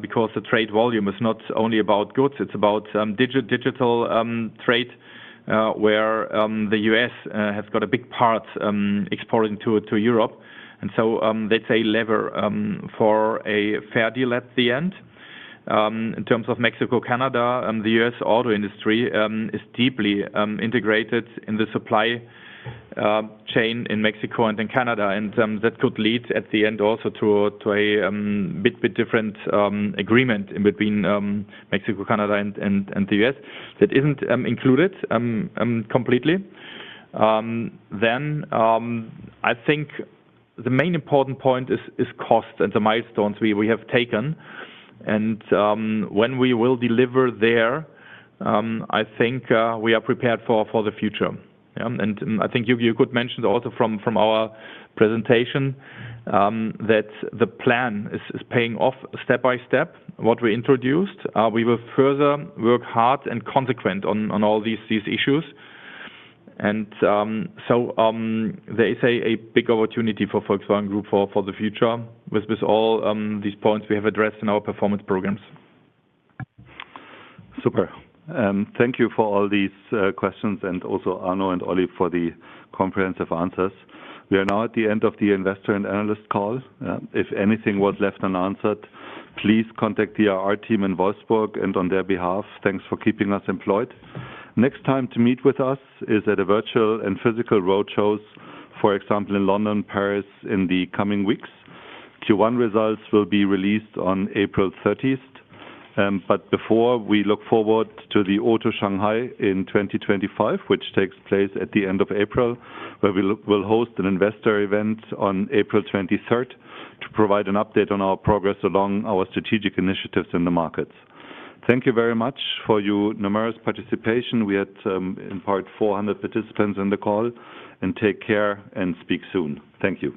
because the trade volume is not only about goods. It is about digital trade where the U.S. has got a big part exporting to Europe. That is a lever for a fair deal at the end. In terms of Mexico, Canada, the U.S. auto industry is deeply integrated in the supply chain in Mexico and in Canada. That could lead at the end also to a bit different agreement in between Mexico, Canada, and the U.S. that is not included completely. I think the main important point is cost and the milestones we have taken. When we will deliver there, I think we are prepared for the future. I think you could mention also from our presentation that the plan is paying off step by step what we introduced. We will further work hard and consequent on all these issues. There is a big opportunity for Volkswagen Group for the future with all these points we have addressed in our performance programs. Super. Thank you for all these questions and also Arno and Olli for the comprehensive answers. We are now at the end of the investor and analyst call. If anything was left unanswered, please contact the IR team in Wolfsburg. On their behalf, thanks for keeping us employed. Next time to meet with us is at virtual and physical roadshows, for example, in London and Paris in the coming weeks. Q1 results will be released on April 30. Before that, we look forward to the Auto Shanghai in 2025, which takes place at the end of April, where we will host an investor event on April 23rd to provide an update on our progress along our strategic initiatives in the markets. Thank you very much for your numerous participation. We had in part 400 participants in the call. Take care and speak soon. Thank you.